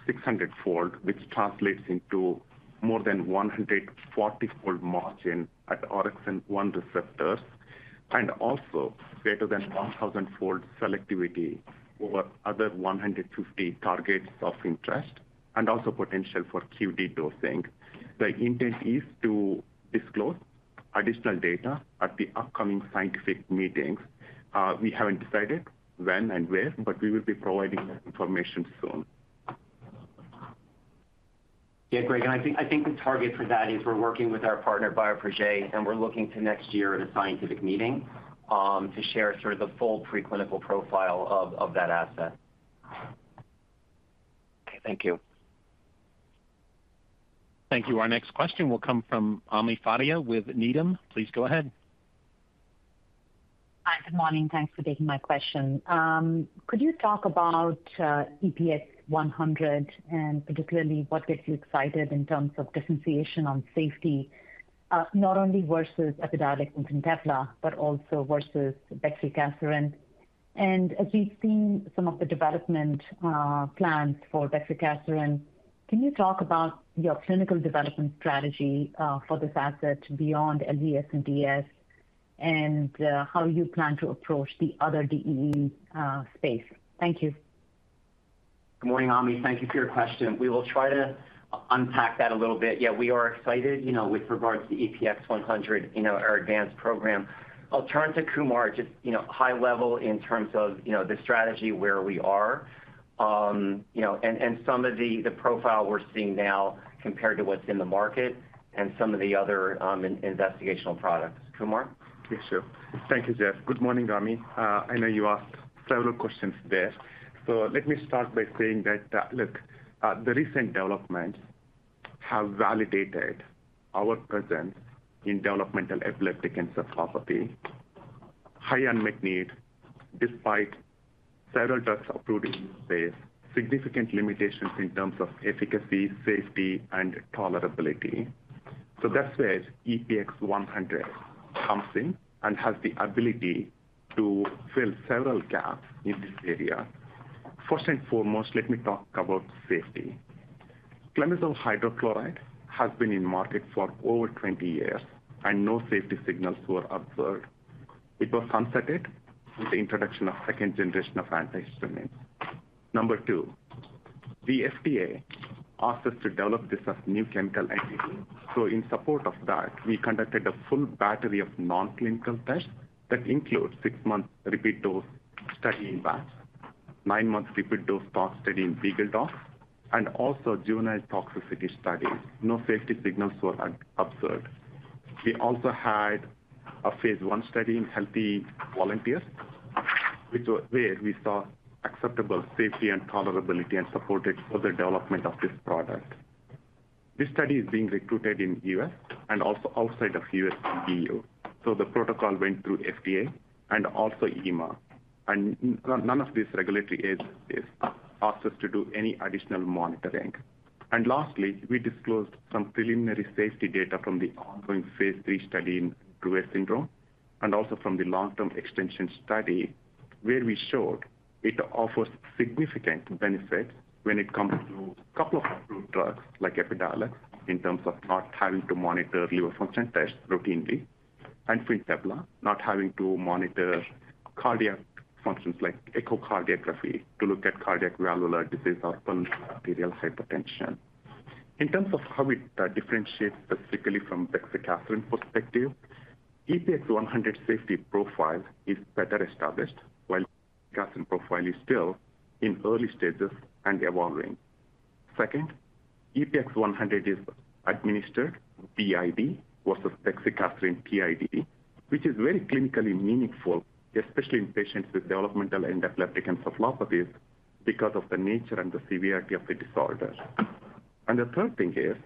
600-fold, which translates into more than 140-fold margin at orexin-1 receptors, and also greater than 1,000-fold selectivity over other 150 targets of interest, and also potential for QD dosing. The intent is to disclose additional data at the upcoming scientific meetings. We haven't decided when and where, but we will be providing that information soon. Yeah, Greg. And I think the target for that is we're working with our partner, BioProjet, and we're looking to next year at a scientific meeting to share sort of the full preclinical profile of that asset. Okay. Thank you. Thank you. Our next question will come from Ami Fadia with Needham. Please go ahead. Hi. Good morning. Thanks for taking my question. Could you talk about EPX-100 and particularly what gets you excited in terms of differentiation on safety, not only versus Epidiolex and Fintepla but also versus bexicaserin? And as we've seen some of the development plans for bexicaserin, can you talk about your clinical development strategy for this asset beyond LGS and DS, and how you plan to approach the other DEEs space? Thank you. Good morning, Ami. Thank you for your question. We will try to unpack that a little bit. Yeah, we are excited with regards to EPX-100, our advanced program. I'll turn to Kumar just high level in terms of the strategy, where we are, and some of the profile we're seeing now compared to what's in the market and some of the other investigational products. Kumar? Yes, sure. Thank you, Jeff. Good morning, Ami. I know you asked several questions there. So let me start by saying that, look, the recent developments have validated our presence in developmental epileptic encephalopathies, high unmet need despite several drugs approved in the space, significant limitations in terms of efficacy, safety, and tolerability. So that's where EPX-100 comes in and has the ability to fill several gaps in this area. First and foremost, let me talk about safety. Clemizole hydrochloride has been on the market for over 20 years, and no safety signals were observed. It was supplanted with the introduction of second generation of antihistamines. Number two, the FDA asked us to develop this as a new chemical entity. So in support of that, we conducted a full battery of non-clinical tests that include six-month repeat dose study in rats, nine-month repeat dose study in beagle dogs, and also juvenile toxicity studies. No safety signals were observed. We also had a phase one study in healthy volunteers, which was where we saw acceptable safety and tolerability and supported further development of this product. This study is being recruited in the U.S. and also outside of the U.S. and EU. So the protocol went through FDA and also EMA, and none of these regulatory agencies asked us to do any additional monitoring. And lastly, we disclosed some preliminary safety data from the ongoing phase three study in Dravet syndrome and also from the long-term extension study, where we showed it offers significant benefits when it comes to a couple of approved drugs like Epidiolex in terms of not having to monitor liver function tests routinely, and Fintepla, not having to monitor cardiac functions like echocardiography to look at cardiac valvular disease or pulmonary arterial hypertension. In terms of how we differentiate specifically from bexicaserin perspective, EPX-100 safety profile is better established, while bexicaserin profile is still in early stages and evolving. Second, EPX-100 is administered BID versus bexicaserin TID, which is very clinically meaningful, especially in patients with developmental and epileptic encephalopathies because of the nature and the severity of the disorder. And the third thing is,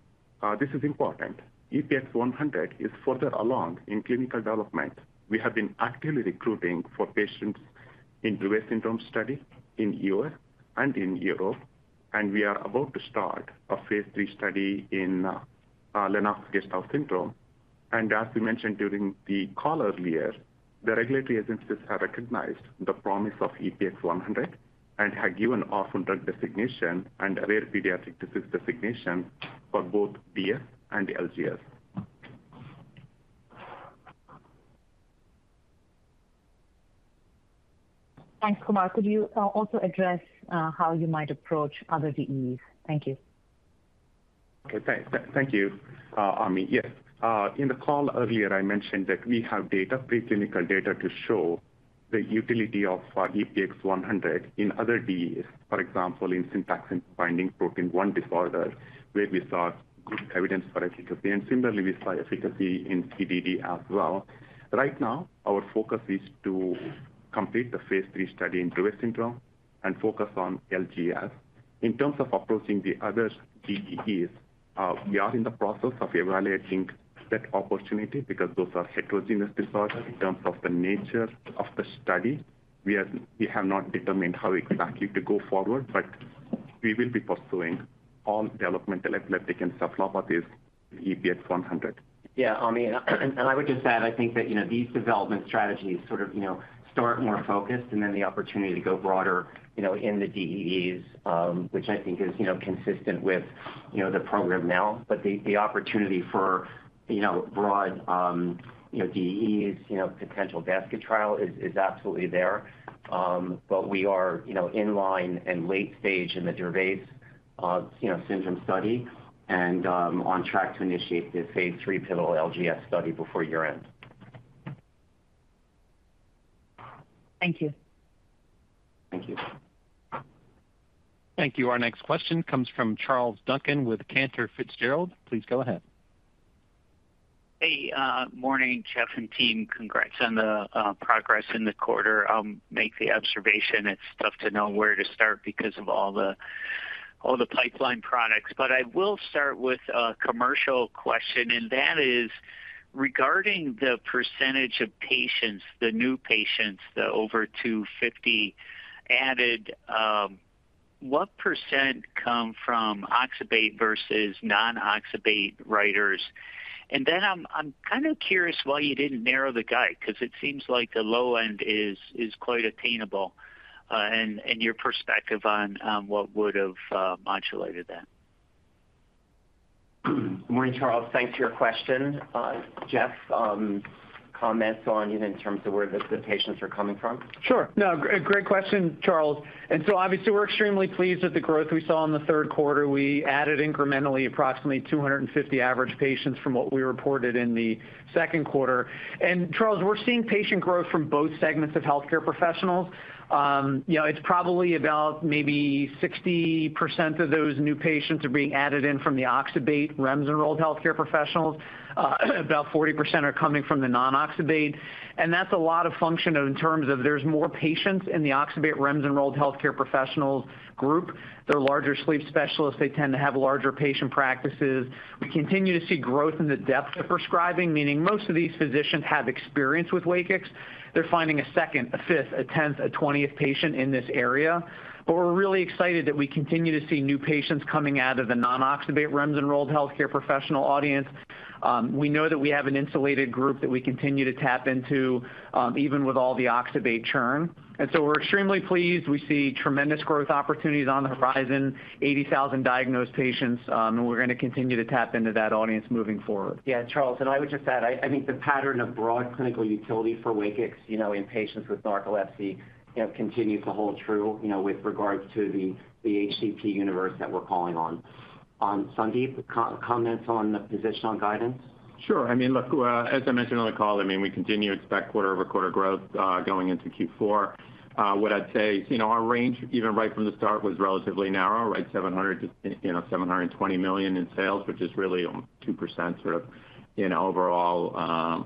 this is important. EPX-100 is further along in clinical development. We have been actively recruiting for patients in Dravet syndrome study in the U.S. and in Europe, and we are about to start a phase 3 study in Lennox-Gastaut syndrome. And as we mentioned during the call earlier, the regulatory agencies have recognized the promise of EPX-100 and have given orphan drug designation and rare pediatric disease designation for both DS and LGS. Thanks, Kumar. Could you also address how you might approach other DEEs? Thank you. Okay. Thanks. Thank you, Ami. Yes. In the call earlier, I mentioned that we have preclinical data to show the utility of EPX-100 in other DEEs, for example, in syntaxin-binding protein 1 disorder, where we saw good evidence for efficacy. And similarly, we saw efficacy in CDD as well. Right now, our focus is to complete the phase three study in Dravet syndrome and focus on LGS. In terms of approaching the other DEEs, we are in the process of evaluating that opportunity because those are heterogeneous disorders in terms of the nature of the study. We have not determined how exactly to go forward, but we will be pursuing all developmental epileptic encephalopathies with EPX-100. Yeah, Ami. And I would just add, I think that these development strategies sort of start more focused and then the opportunity to go broader in the DEEs, which I think is consistent with the program now. But the opportunity for broad DEEs, potential basket trial is absolutely there, but we are in line and late stage in the Dravet syndrome study and on track to initiate the phase three pivotal LGS study before year-end. Thank you. Thank you. Thank you. Our next question comes from Charles Duncan with Cantor Fitzgerald. Please go ahead. Hey. Morning, Jeff and team. Congrats on the progress in the quarter. I'll make the observation. It's tough to know where to start because of all the pipeline products. But I will start with a commercial question, and that is regarding the percentage of patients, the new patients, the over 50 added, what percent come from oxybate versus non-oxybate writers? And then I'm kind of curious why you didn't narrow the guidance because it seems like the low end is quite attainable. And your perspective on what would have modulated that? Good morning, Charles. Thanks for your question. Jeff, comments on even in terms of where the patients are coming from? Sure. No, great question, Charles. And so obviously, we're extremely pleased with the growth we saw in the third quarter. We added incrementally approximately 250 average patients from what we reported in the second quarter. And Charles, we're seeing patient growth from both segments of healthcare professionals. It's probably about maybe 60% of those new patients are being added in from the oxybate REMS-enrolled healthcare professionals. About 40% are coming from the non-oxybate, and that's a lot of function in terms of there's more patients in the oxybate REMS-enrolled healthcare professionals group. They're larger sleep specialists. They tend to have larger patient practices. We continue to see growth in the depth of prescribing, meaning most of these physicians have experience with Wakix. They're finding a second, a fifth, a tenth, a twentieth patient in this area, but we're really excited that we continue to see new patients coming out of the non-oxybate REMS-enrolled healthcare professional audience. We know that we have an insulated group that we continue to tap into even with all the oxybate churn, and so we're extremely pleased. We see tremendous growth opportunities on the horizon, 80,000 diagnosed patients, and we're going to continue to tap into that audience moving forward. Yeah, Charles. And I would just add, I think the pattern of broad clinical utility for WAKIX in patients with narcolepsy continues to hold true with regards to the HCP universe that we're calling on. Sandip, comments on the full-year guidance? Sure. I mean, look, as I mentioned on the call, I mean, we continue to expect quarter-over-quarter growth going into Q4. What I'd say is our range, even right from the start, was relatively narrow, right? $700 million-$720 million in sales, which is really 2% sort of in overall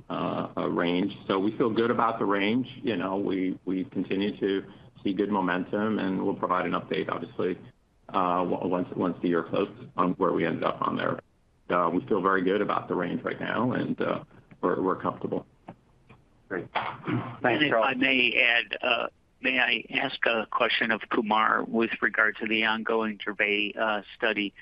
range. So we feel good about the range. We continue to see good momentum, and we'll provide an update, obviously, once the year closes on where we ended up on there. We feel very good about the range right now, and we're comfortable. Great. Thanks, Charles. If I may add, may I ask a question of Kumar with regard to the ongoing Dravet study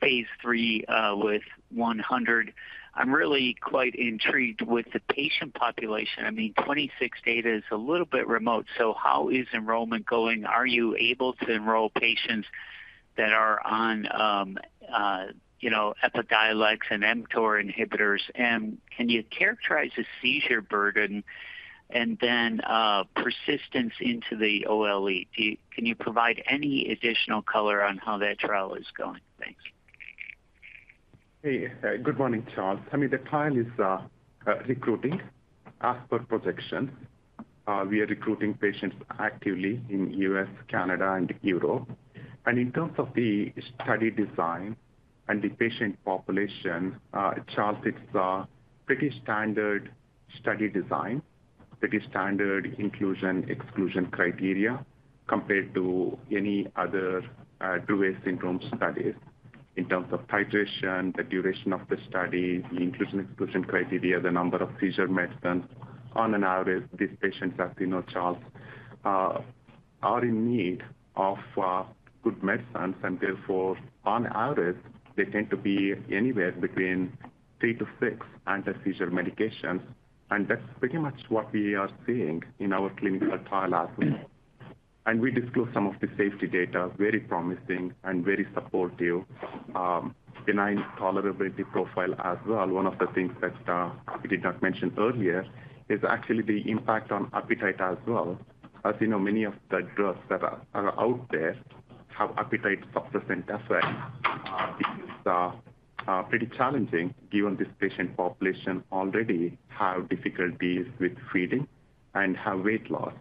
phase three with 100? I'm really quite intrigued with the patient population. I mean, 2016 data is a little bit remote. So how is enrollment going? Are you able to enroll patients that are on Epidiolex and mTOR inhibitors? And can you characterize the seizure burden and then persistence into the OLE? Can you provide any additional color on how that trial is going? Thanks. Hey. Good morning, Charles. I mean, the trial is recruiting as per projection. We are recruiting patients actively in the U.S., Canada, and Europe. In terms of the study design and the patient population, Charles, it's a pretty standard study design, pretty standard inclusion-exclusion criteria compared to any other Dravet syndrome studies in terms of titration, the duration of the study, the inclusion-exclusion criteria, the number of seizure medicines. On an average, these patients, as you know, Charles, are in need of good medicines. Therefore, on average, they tend to be anywhere between three to six anti-seizure medications. That's pretty much what we are seeing in our clinical trial as well. We disclose some of the safety data, very promising and very supportive, benign tolerability profile as well. One of the things that we did not mention earlier is actually the impact on appetite as well. As you know, many of the drugs that are out there have appetite suppressant effects. It's pretty challenging given this patient population already has difficulties with feeding and has weight loss.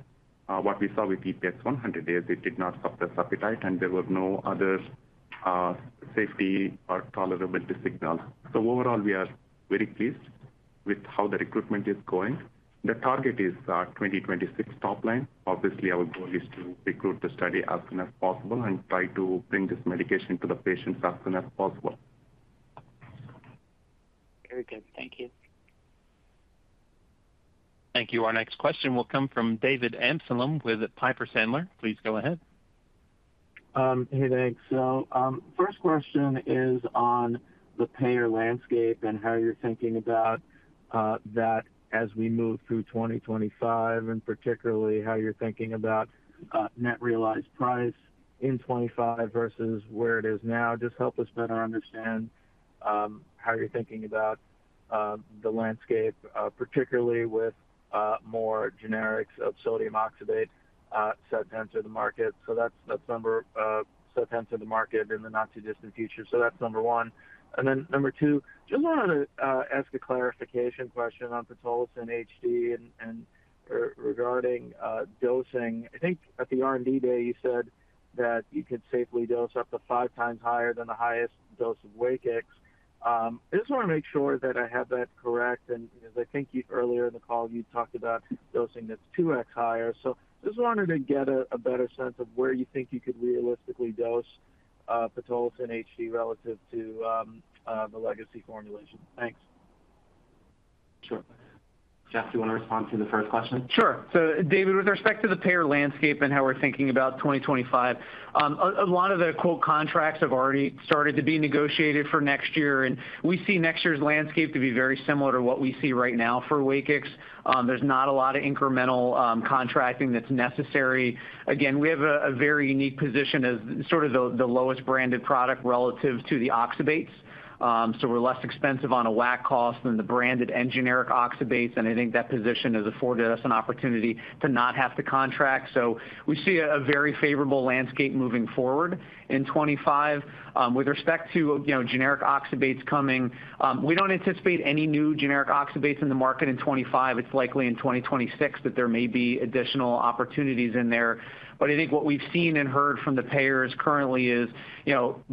What we saw with EPX-100 is it did not suppress appetite, and there were no other safety or tolerability signals. So overall, we are very pleased with how the recruitment is going. The target is 2026 top line. Obviously, our goal is to recruit the study as soon as possible and try to bring this medication to the patients as soon as possible. Very good. Thank you. Thank you. Our next question will come from David Amsellem with Piper Sandler. Please go ahead. Hey, thanks. So first question is on the payer landscape and how you're thinking about that as we move through 2025, and particularly how you're thinking about net realized price in 2025 versus where it is now. Just help us better understand how you're thinking about the landscape, particularly with more generics of sodium oxybate set to enter the market. So that's number one set to enter the market in the not-too-distant future. So that's number one. And then number two, just wanted to ask a clarification question on Pitolisant HD regarding dosing. I think at the R&D Day, you said that you could safely dose up to five times higher than the highest dose of WAKIX. I just want to make sure that I have that correct. And as I think earlier in the call, you talked about dosing that's two X higher. So just wanted to get a better sense of where you think you could realistically dose Pitolisant HD relative to the legacy formulation. Thanks. Sure. Jeff, do you want to respond to the first question? Sure. David, with respect to the payer landscape and how we're thinking about 2025, a lot of the quote contracts have already started to be negotiated for next year. We see next year's landscape to be very similar to what we see right now for WAKIX. There's not a lot of incremental contracting that's necessary. Again, we have a very unique position as sort of the lowest branded product relative to the oxybates. We're less expensive on a WAC cost than the branded and generic oxybates. I think that position has afforded us an opportunity to not have to contract. We see a very favorable landscape moving forward in 2025. With respect to generic oxybates coming, we don't anticipate any new generic oxybates in the market in 2025. It's likely in 2026 that there may be additional opportunities in there. But I think what we've seen and heard from the payers currently is,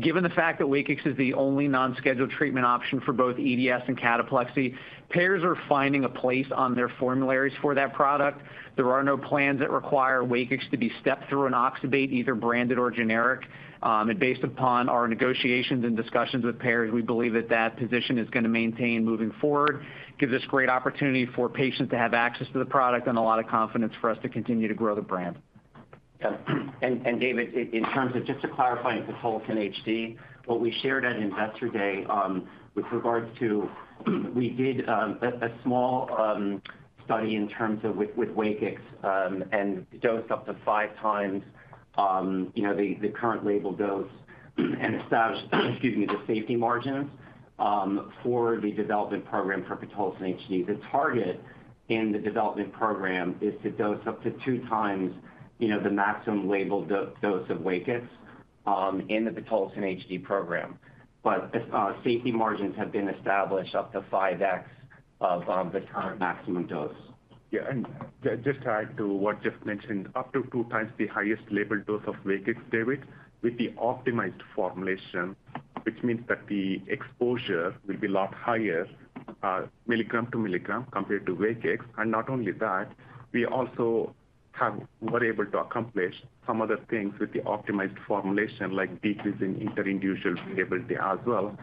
given the fact that WAKIX is the only non-scheduled treatment option for both EDS and cataplexy, payers are finding a place on their formularies for that product. There are no plans that require WAKIX to be stepped through an oxybate, either branded or generic. And based upon our negotiations and discussions with payers, we believe that that position is going to maintain moving forward, give us great opportunity for patients to have access to the product, and a lot of confidence for us to continue to grow the brand. Yeah. David, in terms of just clarifying pitolisant HD, what we shared at investor day with regards to we did a small study in terms of with WAKIX and dosed up to five times the current label dose and established, excuse me, the safety margins for the development program for pitolisant HD. The target in the development program is to dose up to two times the maximum labeled dose of WAKIX in the pitolisant HD program. But safety margins have been established up to five X of the current maximum dose. Yeah. Just to add to what Jeff mentioned, up to two times the highest labeled dose of WAKIX, David, with the optimized formulation, which means that the exposure will be a lot higher, milligram to milligram, compared to WAKIX. And not only that, we also were able to accomplish some other things with the optimized formulation, like decreasing interindividual variability as well,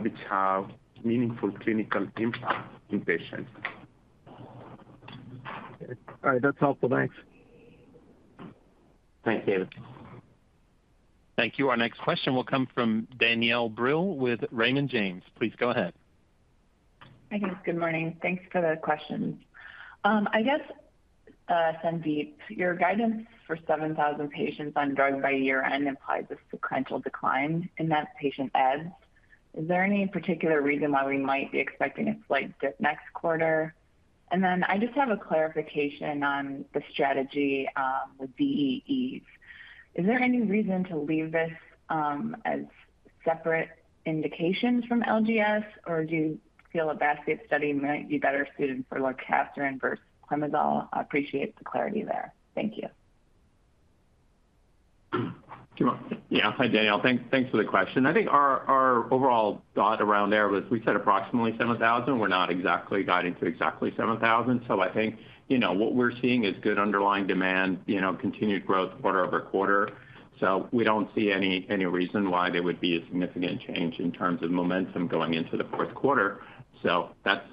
which have meaningful clinical impact in patients. All right. That's helpful. Thanks. Thanks, David. Thank you. Our next question will come from Danielle Brill with Raymond James. Please go ahead. Hi, guys. Good morning. Thanks for the questions. I guess, Sandip, your guidance for 7,000 patients on drug by year-end implies a sequential decline in that patient base. Is there any particular reason why we might be expecting a slight dip next quarter? And then I just have a clarification on the strategy with DEEs. Is there any reason to leave this as separate indications from LGS, or do you feel a basket study might be better suited for lorcaserin versus clemizole? I appreciate the clarity there. Thank you. Yeah. Hi, Danielle. Thanks for the question. I think our overall thought around there was we said approximately 7,000, we're not exactly guiding to exactly 7,000, so I think what we're seeing is good underlying demand, continued growth quarter over quarter, so we don't see any reason why there would be a significant change in terms of momentum going into the fourth quarter, so that's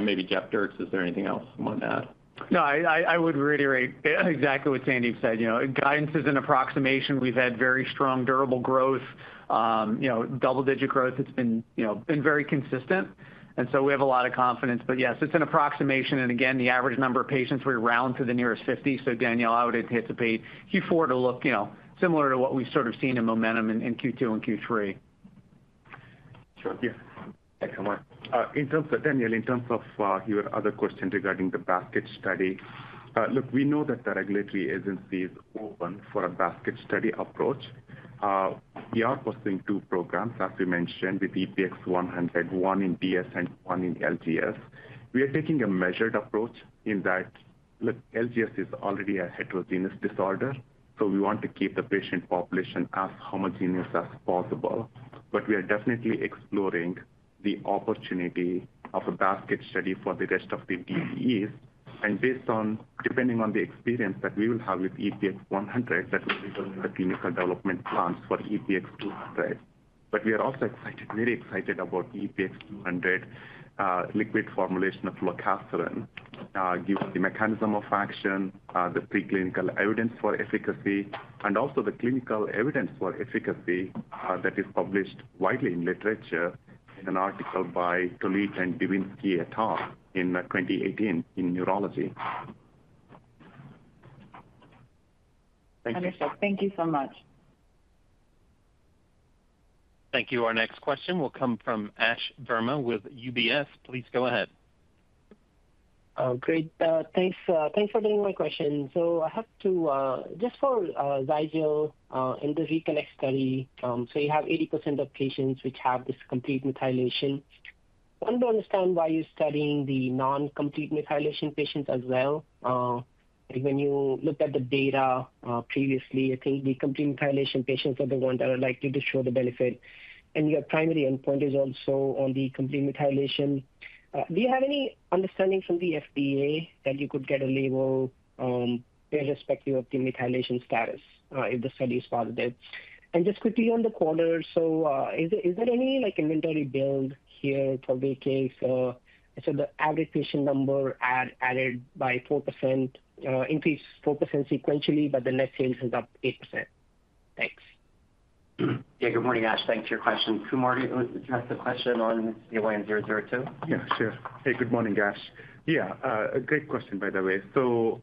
maybe Jeffrey Dierks. Is there anything else you want to add? No, I would reiterate exactly what Sandip said. Guidance is an approximation. We've had very strong durable growth, double-digit growth. It's been very consistent, and so we have a lot of confidence, but yes, it's an approximation, and again, the average number of patients we round to the nearest 50, so Danielle, I would anticipate Q4 to look similar to what we've sort of seen in momentum in Q2 and Q3. Sure. Yeah. Excellent. Danielle, in terms of your other question regarding the basket study, look, we know that the regulatory agency is open for a basket study approach. We are pursuing two programs, as we mentioned, with EPX-100, one in DS and one in LGS. We are taking a measured approach in that, look, LGS is already a heterogeneous disorder. So we want to keep the patient population as homogeneous as possible. But we are definitely exploring the opportunity of a basket study for the rest of the DEEs. And depending on the experience that we will have with EPX-100, that will be the clinical development plans for EPX-200. But we are also excited, very excited about EPX-200 liquid formulation of lorcaserin given the mechanism of action, the preclinical evidence for efficacy, and also the clinical evidence for efficacy that is published widely in literature in an article by Tolete and Devinsky et al. in 2018 in Neurology. Thank you. Understood. Thank you so much. Thank you. Our next question will come from Ash Verma with UBS. Please go ahead. Great. Thanks for doing my question. So I have to just for Zygel in the ReConnect study, so you have 80% of patients which have this complete methylation. I want to understand why you're studying the non-complete methylation patients as well. When you looked at the data previously, I think the complete methylation patients are the ones that are likely to show the benefit. And your primary endpoint is also on the complete methylation. Do you have any understanding from the FDA that you could get a label irrespective of the methylation status if the study is positive? And just quickly on the quarter, so is there any inventory build here for WAKIX? So the average patient number added by 4%, increased 4% sequentially, but the net sales is up 8%. Thanks. Yeah. Good morning, Ash. Thanks for your question. Kumar, do you want to address the question on the ZYN-002? Yeah. Sure. Hey, good morning, Ash. Yeah. Great question, by the way. So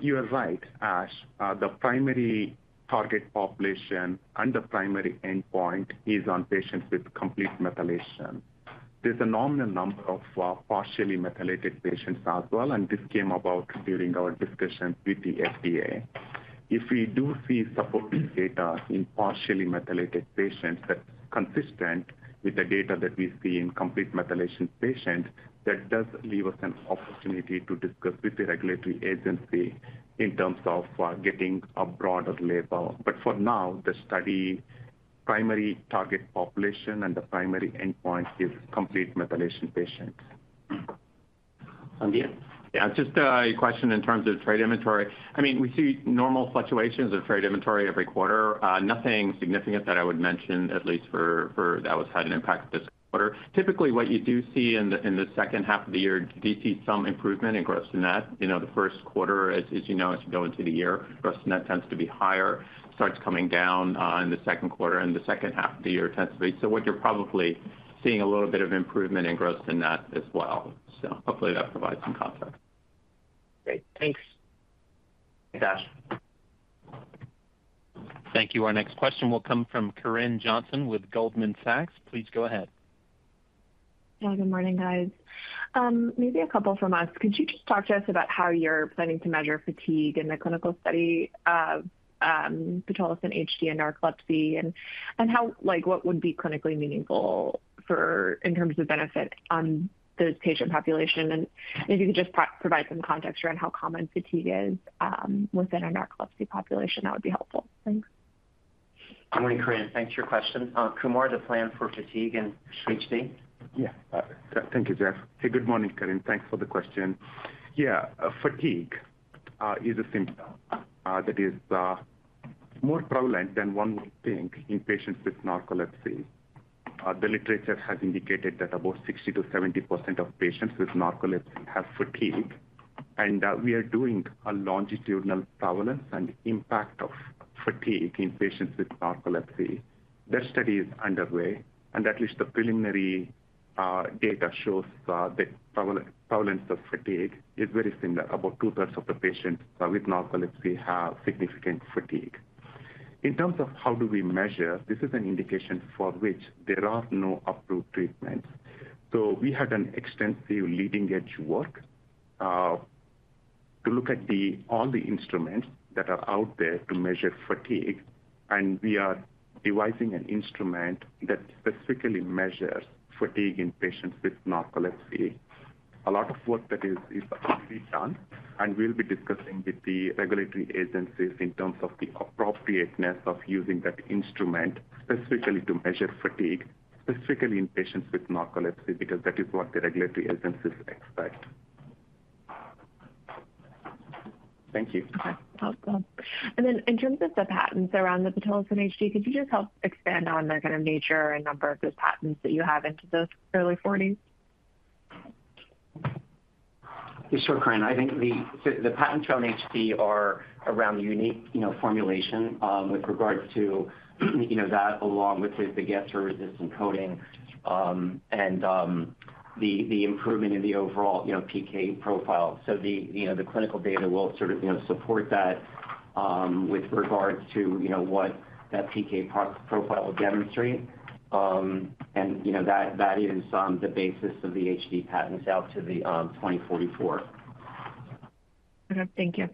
you are right, Ash. The primary target population and the primary endpoint is on patients with complete methylation. There's a nominal number of partially methylated patients as well. And this came about during our discussion with the FDA. If we do see supporting data in partially methylated patients that's consistent with the data that we see in complete methylation patients, that does leave us an opportunity to discuss with the regulatory agency in terms of getting a broader label. But for now, the study primary target population and the primary endpoint is complete methylation patients. Sandip? Yeah. Just a question in terms of trade inventory. I mean, we see normal fluctuations of trade inventory every quarter. Nothing significant that I would mention, at least for that has had an impact this quarter. Typically, what you do see in the second half of the year, you do see some improvement in gross net. The first quarter, as you know, as you go into the year, gross net tends to be higher, starts coming down in the second quarter, and the second half of the year tends to be. So what you're probably seeing a little bit of improvement in gross net as well. So hopefully, that provides some context. Great. Thanks. Thanks, Ash. Thank you. Our next question will come from Corinne Jenkins with Goldman Sachs. Please go ahead. Hi, good morning, guys. Maybe a couple from us. Could you just talk to us about how you're planning to measure fatigue in the clinical study of Pitolisant HD and narcolepsy and what would be clinically meaningful in terms of benefit on this patient population? And if you could just provide some context around how common fatigue is within a narcolepsy population, that would be helpful. Thanks. Good morning, Corinne. Thanks for your question. Kumar, the plan for fatigue and HD? Yeah. Thank you, Jeff. Hey, good morning, Corinne. Thanks for the question. Yeah. Fatigue is a symptom that is more prevalent than one would think in patients with narcolepsy. The literature has indicated that about 60%-70% of patients with narcolepsy have fatigue, and we are doing a longitudinal prevalence and impact of fatigue in patients with narcolepsy. That study is underway, and at least the preliminary data shows that prevalence of fatigue is very similar. About two-thirds of the patients with narcolepsy have significant fatigue. In terms of how do we measure, this is an indication for which there are no approved treatments, so we had an extensive leading-edge work to look at all the instruments that are out there to measure fatigue, and we are devising an instrument that specifically measures fatigue in patients with narcolepsy. A lot of work that is already done and will be discussing with the regulatory agencies in terms of the appropriateness of using that instrument specifically to measure fatigue, specifically in patients with narcolepsy, because that is what the regulatory agencies expect. Thank you. Okay. Awesome. And then in terms of the patents around the Pitolisant HD, could you just help expand on the kind of nature and number of those patents that you have into those early 40s? Sure, Corinne. I think the patents around HD are around the unique formulation with regards to that, along with the gastro-resistant coating and the improvement in the overall PK profile. So the clinical data will sort of support that with regards to what that PK profile will demonstrate. And that is the basis of the HD patents out to the 2044. Okay. Thank you.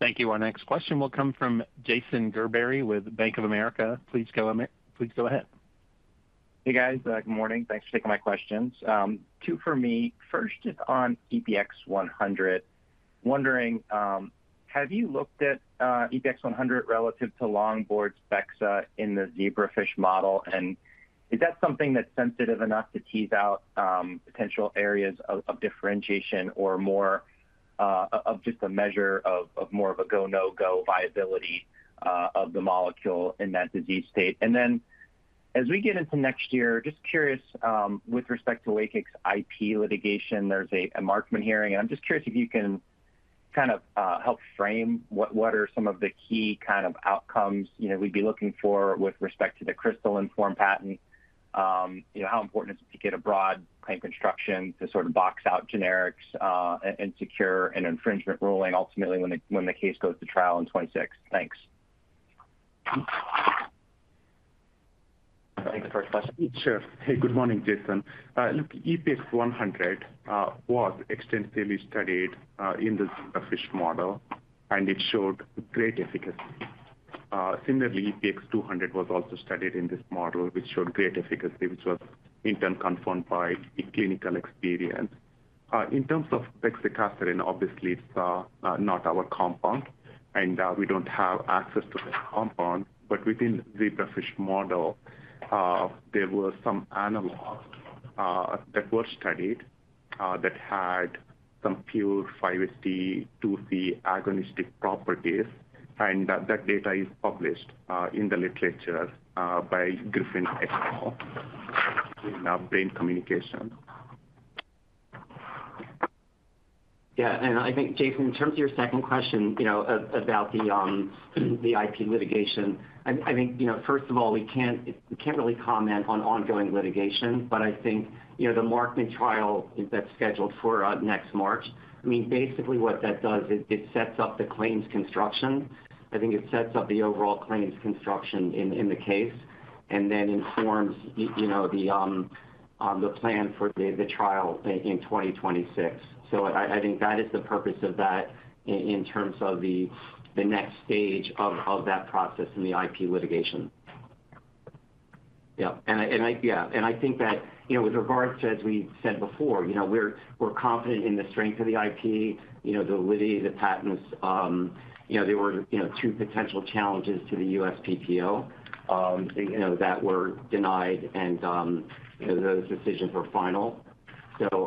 Thank you. Our next question will come from Jason Gerbery with Bank of America. Please go ahead. Hey, guys. Good morning. Thanks for taking my questions. Two for me. First is on EPX-100. Wondering, have you looked at EPX-100 relative to Longboard's Bexa in the zebrafish model? And is that something that's sensitive enough to tease out potential areas of differentiation or more of just a measure of more of a go, no, go viability of the molecule in that disease state? And then as we get into next year, just curious with respect to WAKIX IP litigation, there's a Markman hearing. And I'm just curious if you can kind of help frame what are some of the key kind of outcomes we'd be looking for with respect to the crystalline form patent? How important is it to get a broad claim construction to sort of box out generics and secure an infringement ruling ultimately when the case goes to trial in 2026? Thanks. Thanks for your question. Sure. Hey, good morning, Jason. Look, EPX-100 was extensively studied in the zebrafish model, and it showed great efficacy. Similarly, EPX-200 was also studied in this model, which showed great efficacy, which was in turn confirmed by clinical experience. In terms of bexicaserin, obviously, it's not our compound, and we don't have access to that compound. But within the zebrafish model, there were some analogs that were studied that had some pure 5-HT2C agonistic properties. And that data is published in the literature by Griffin et al. in Brain Communications. Yeah. I think, Jason, in terms of your second question about the IP litigation, I think, first of all, we can't really comment on ongoing litigation. But I think the Markman hearing that's scheduled for next March, I mean, basically, what that does is it sets up the claims construction. I think it sets up the overall claims construction in the case and then informs the plan for the trial in 2026. So I think that is the purpose of that in terms of the next stage of that process in the IP litigation. Yeah. And yeah. And I think that with regards to, as we said before, we're confident in the strength of the IP, the litigation, the patents. There were two potential challenges to the USPTO that were denied, and those decisions were final. So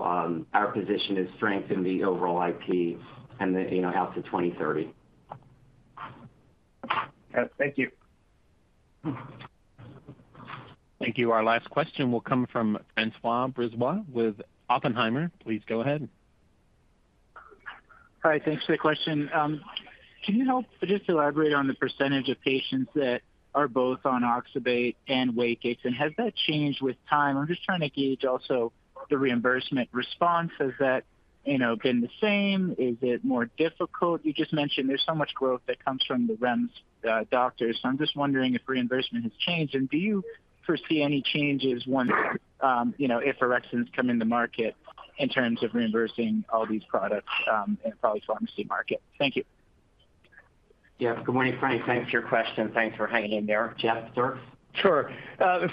our position is strength in the overall IP and out to 2030. Thank you. Thank you. Our last question will come from François Brisebois Hi. Thanks for the question. Can you help just elaborate on the percentage of patients that are both on oxybate and WAKIX? And has that changed with time? I'm just trying to gauge also the reimbursement response. Has that been the same? Is it more difficult? You just mentioned there's so much growth that comes from the REMS doctors. So I'm just wondering if reimbursement has changed. And do you foresee any changes if Erkexin come in the market in terms of reimbursing all these products in the polypharmacy market? Thank you. Yeah. Good morning, Frank. Thanks for your question. Thanks for hanging in there. Jeff Dierks? Sure.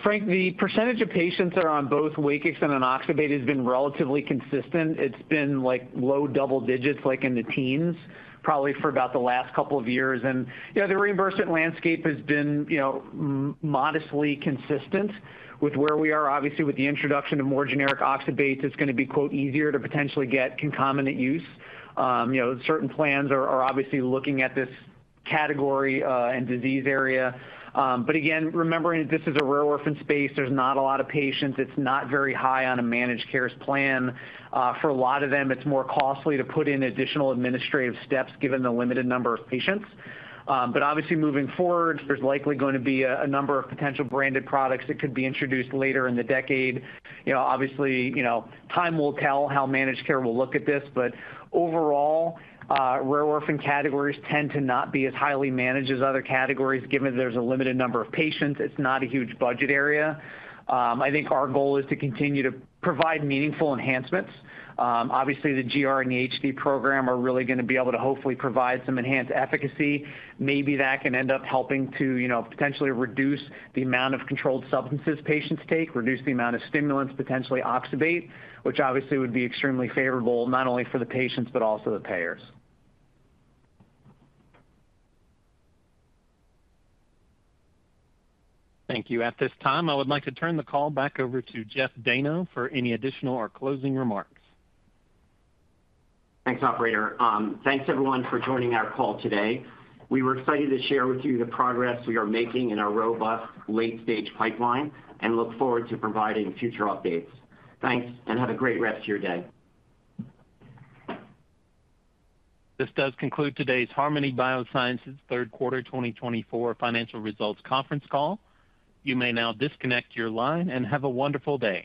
Frank, the percentage of patients that are on both WAKIX and an oxybate has been relatively consistent. It's been low double digits, like in the teens, probably for about the last couple of years. And the reimbursement landscape has been modestly consistent with where we are. Obviously, with the introduction of more generic oxybates, it's going to be "easier" to potentially get concomitant use. Certain plans are obviously looking at this category and disease area. But again, remembering that this is a rare orphan space. There's not a lot of patients. It's not very high on a managed care's plan. For a lot of them, it's more costly to put in additional administrative steps given the limited number of patients. But obviously, moving forward, there's likely going to be a number of potential branded products that could be introduced later in the decade. Obviously, time will tell how managed care will look at this. But overall, rare orphan categories tend to not be as highly managed as other categories. Given there's a limited number of patients, it's not a huge budget area. I think our goal is to continue to provide meaningful enhancements. Obviously, the GR and the HD program are really going to be able to hopefully provide some enhanced efficacy. Maybe that can end up helping to potentially reduce the amount of controlled substances patients take, reduce the amount of stimulants, potentially oxybate, which obviously would be extremely favorable not only for the patients but also the payers. Thank you. At this time, I would like to turn the call back over to Jeff Dayno for any additional or closing remarks. Thanks, operator. Thanks, everyone, for joining our call today. We were excited to share with you the progress we are making in our robust late-stage pipeline and look forward to providing future updates. Thanks, and have a great rest of your day. This does conclude today's Harmony Biosciences Third Quarter 2024 Financial Results Conference Call. You may now disconnect your line and have a wonderful day.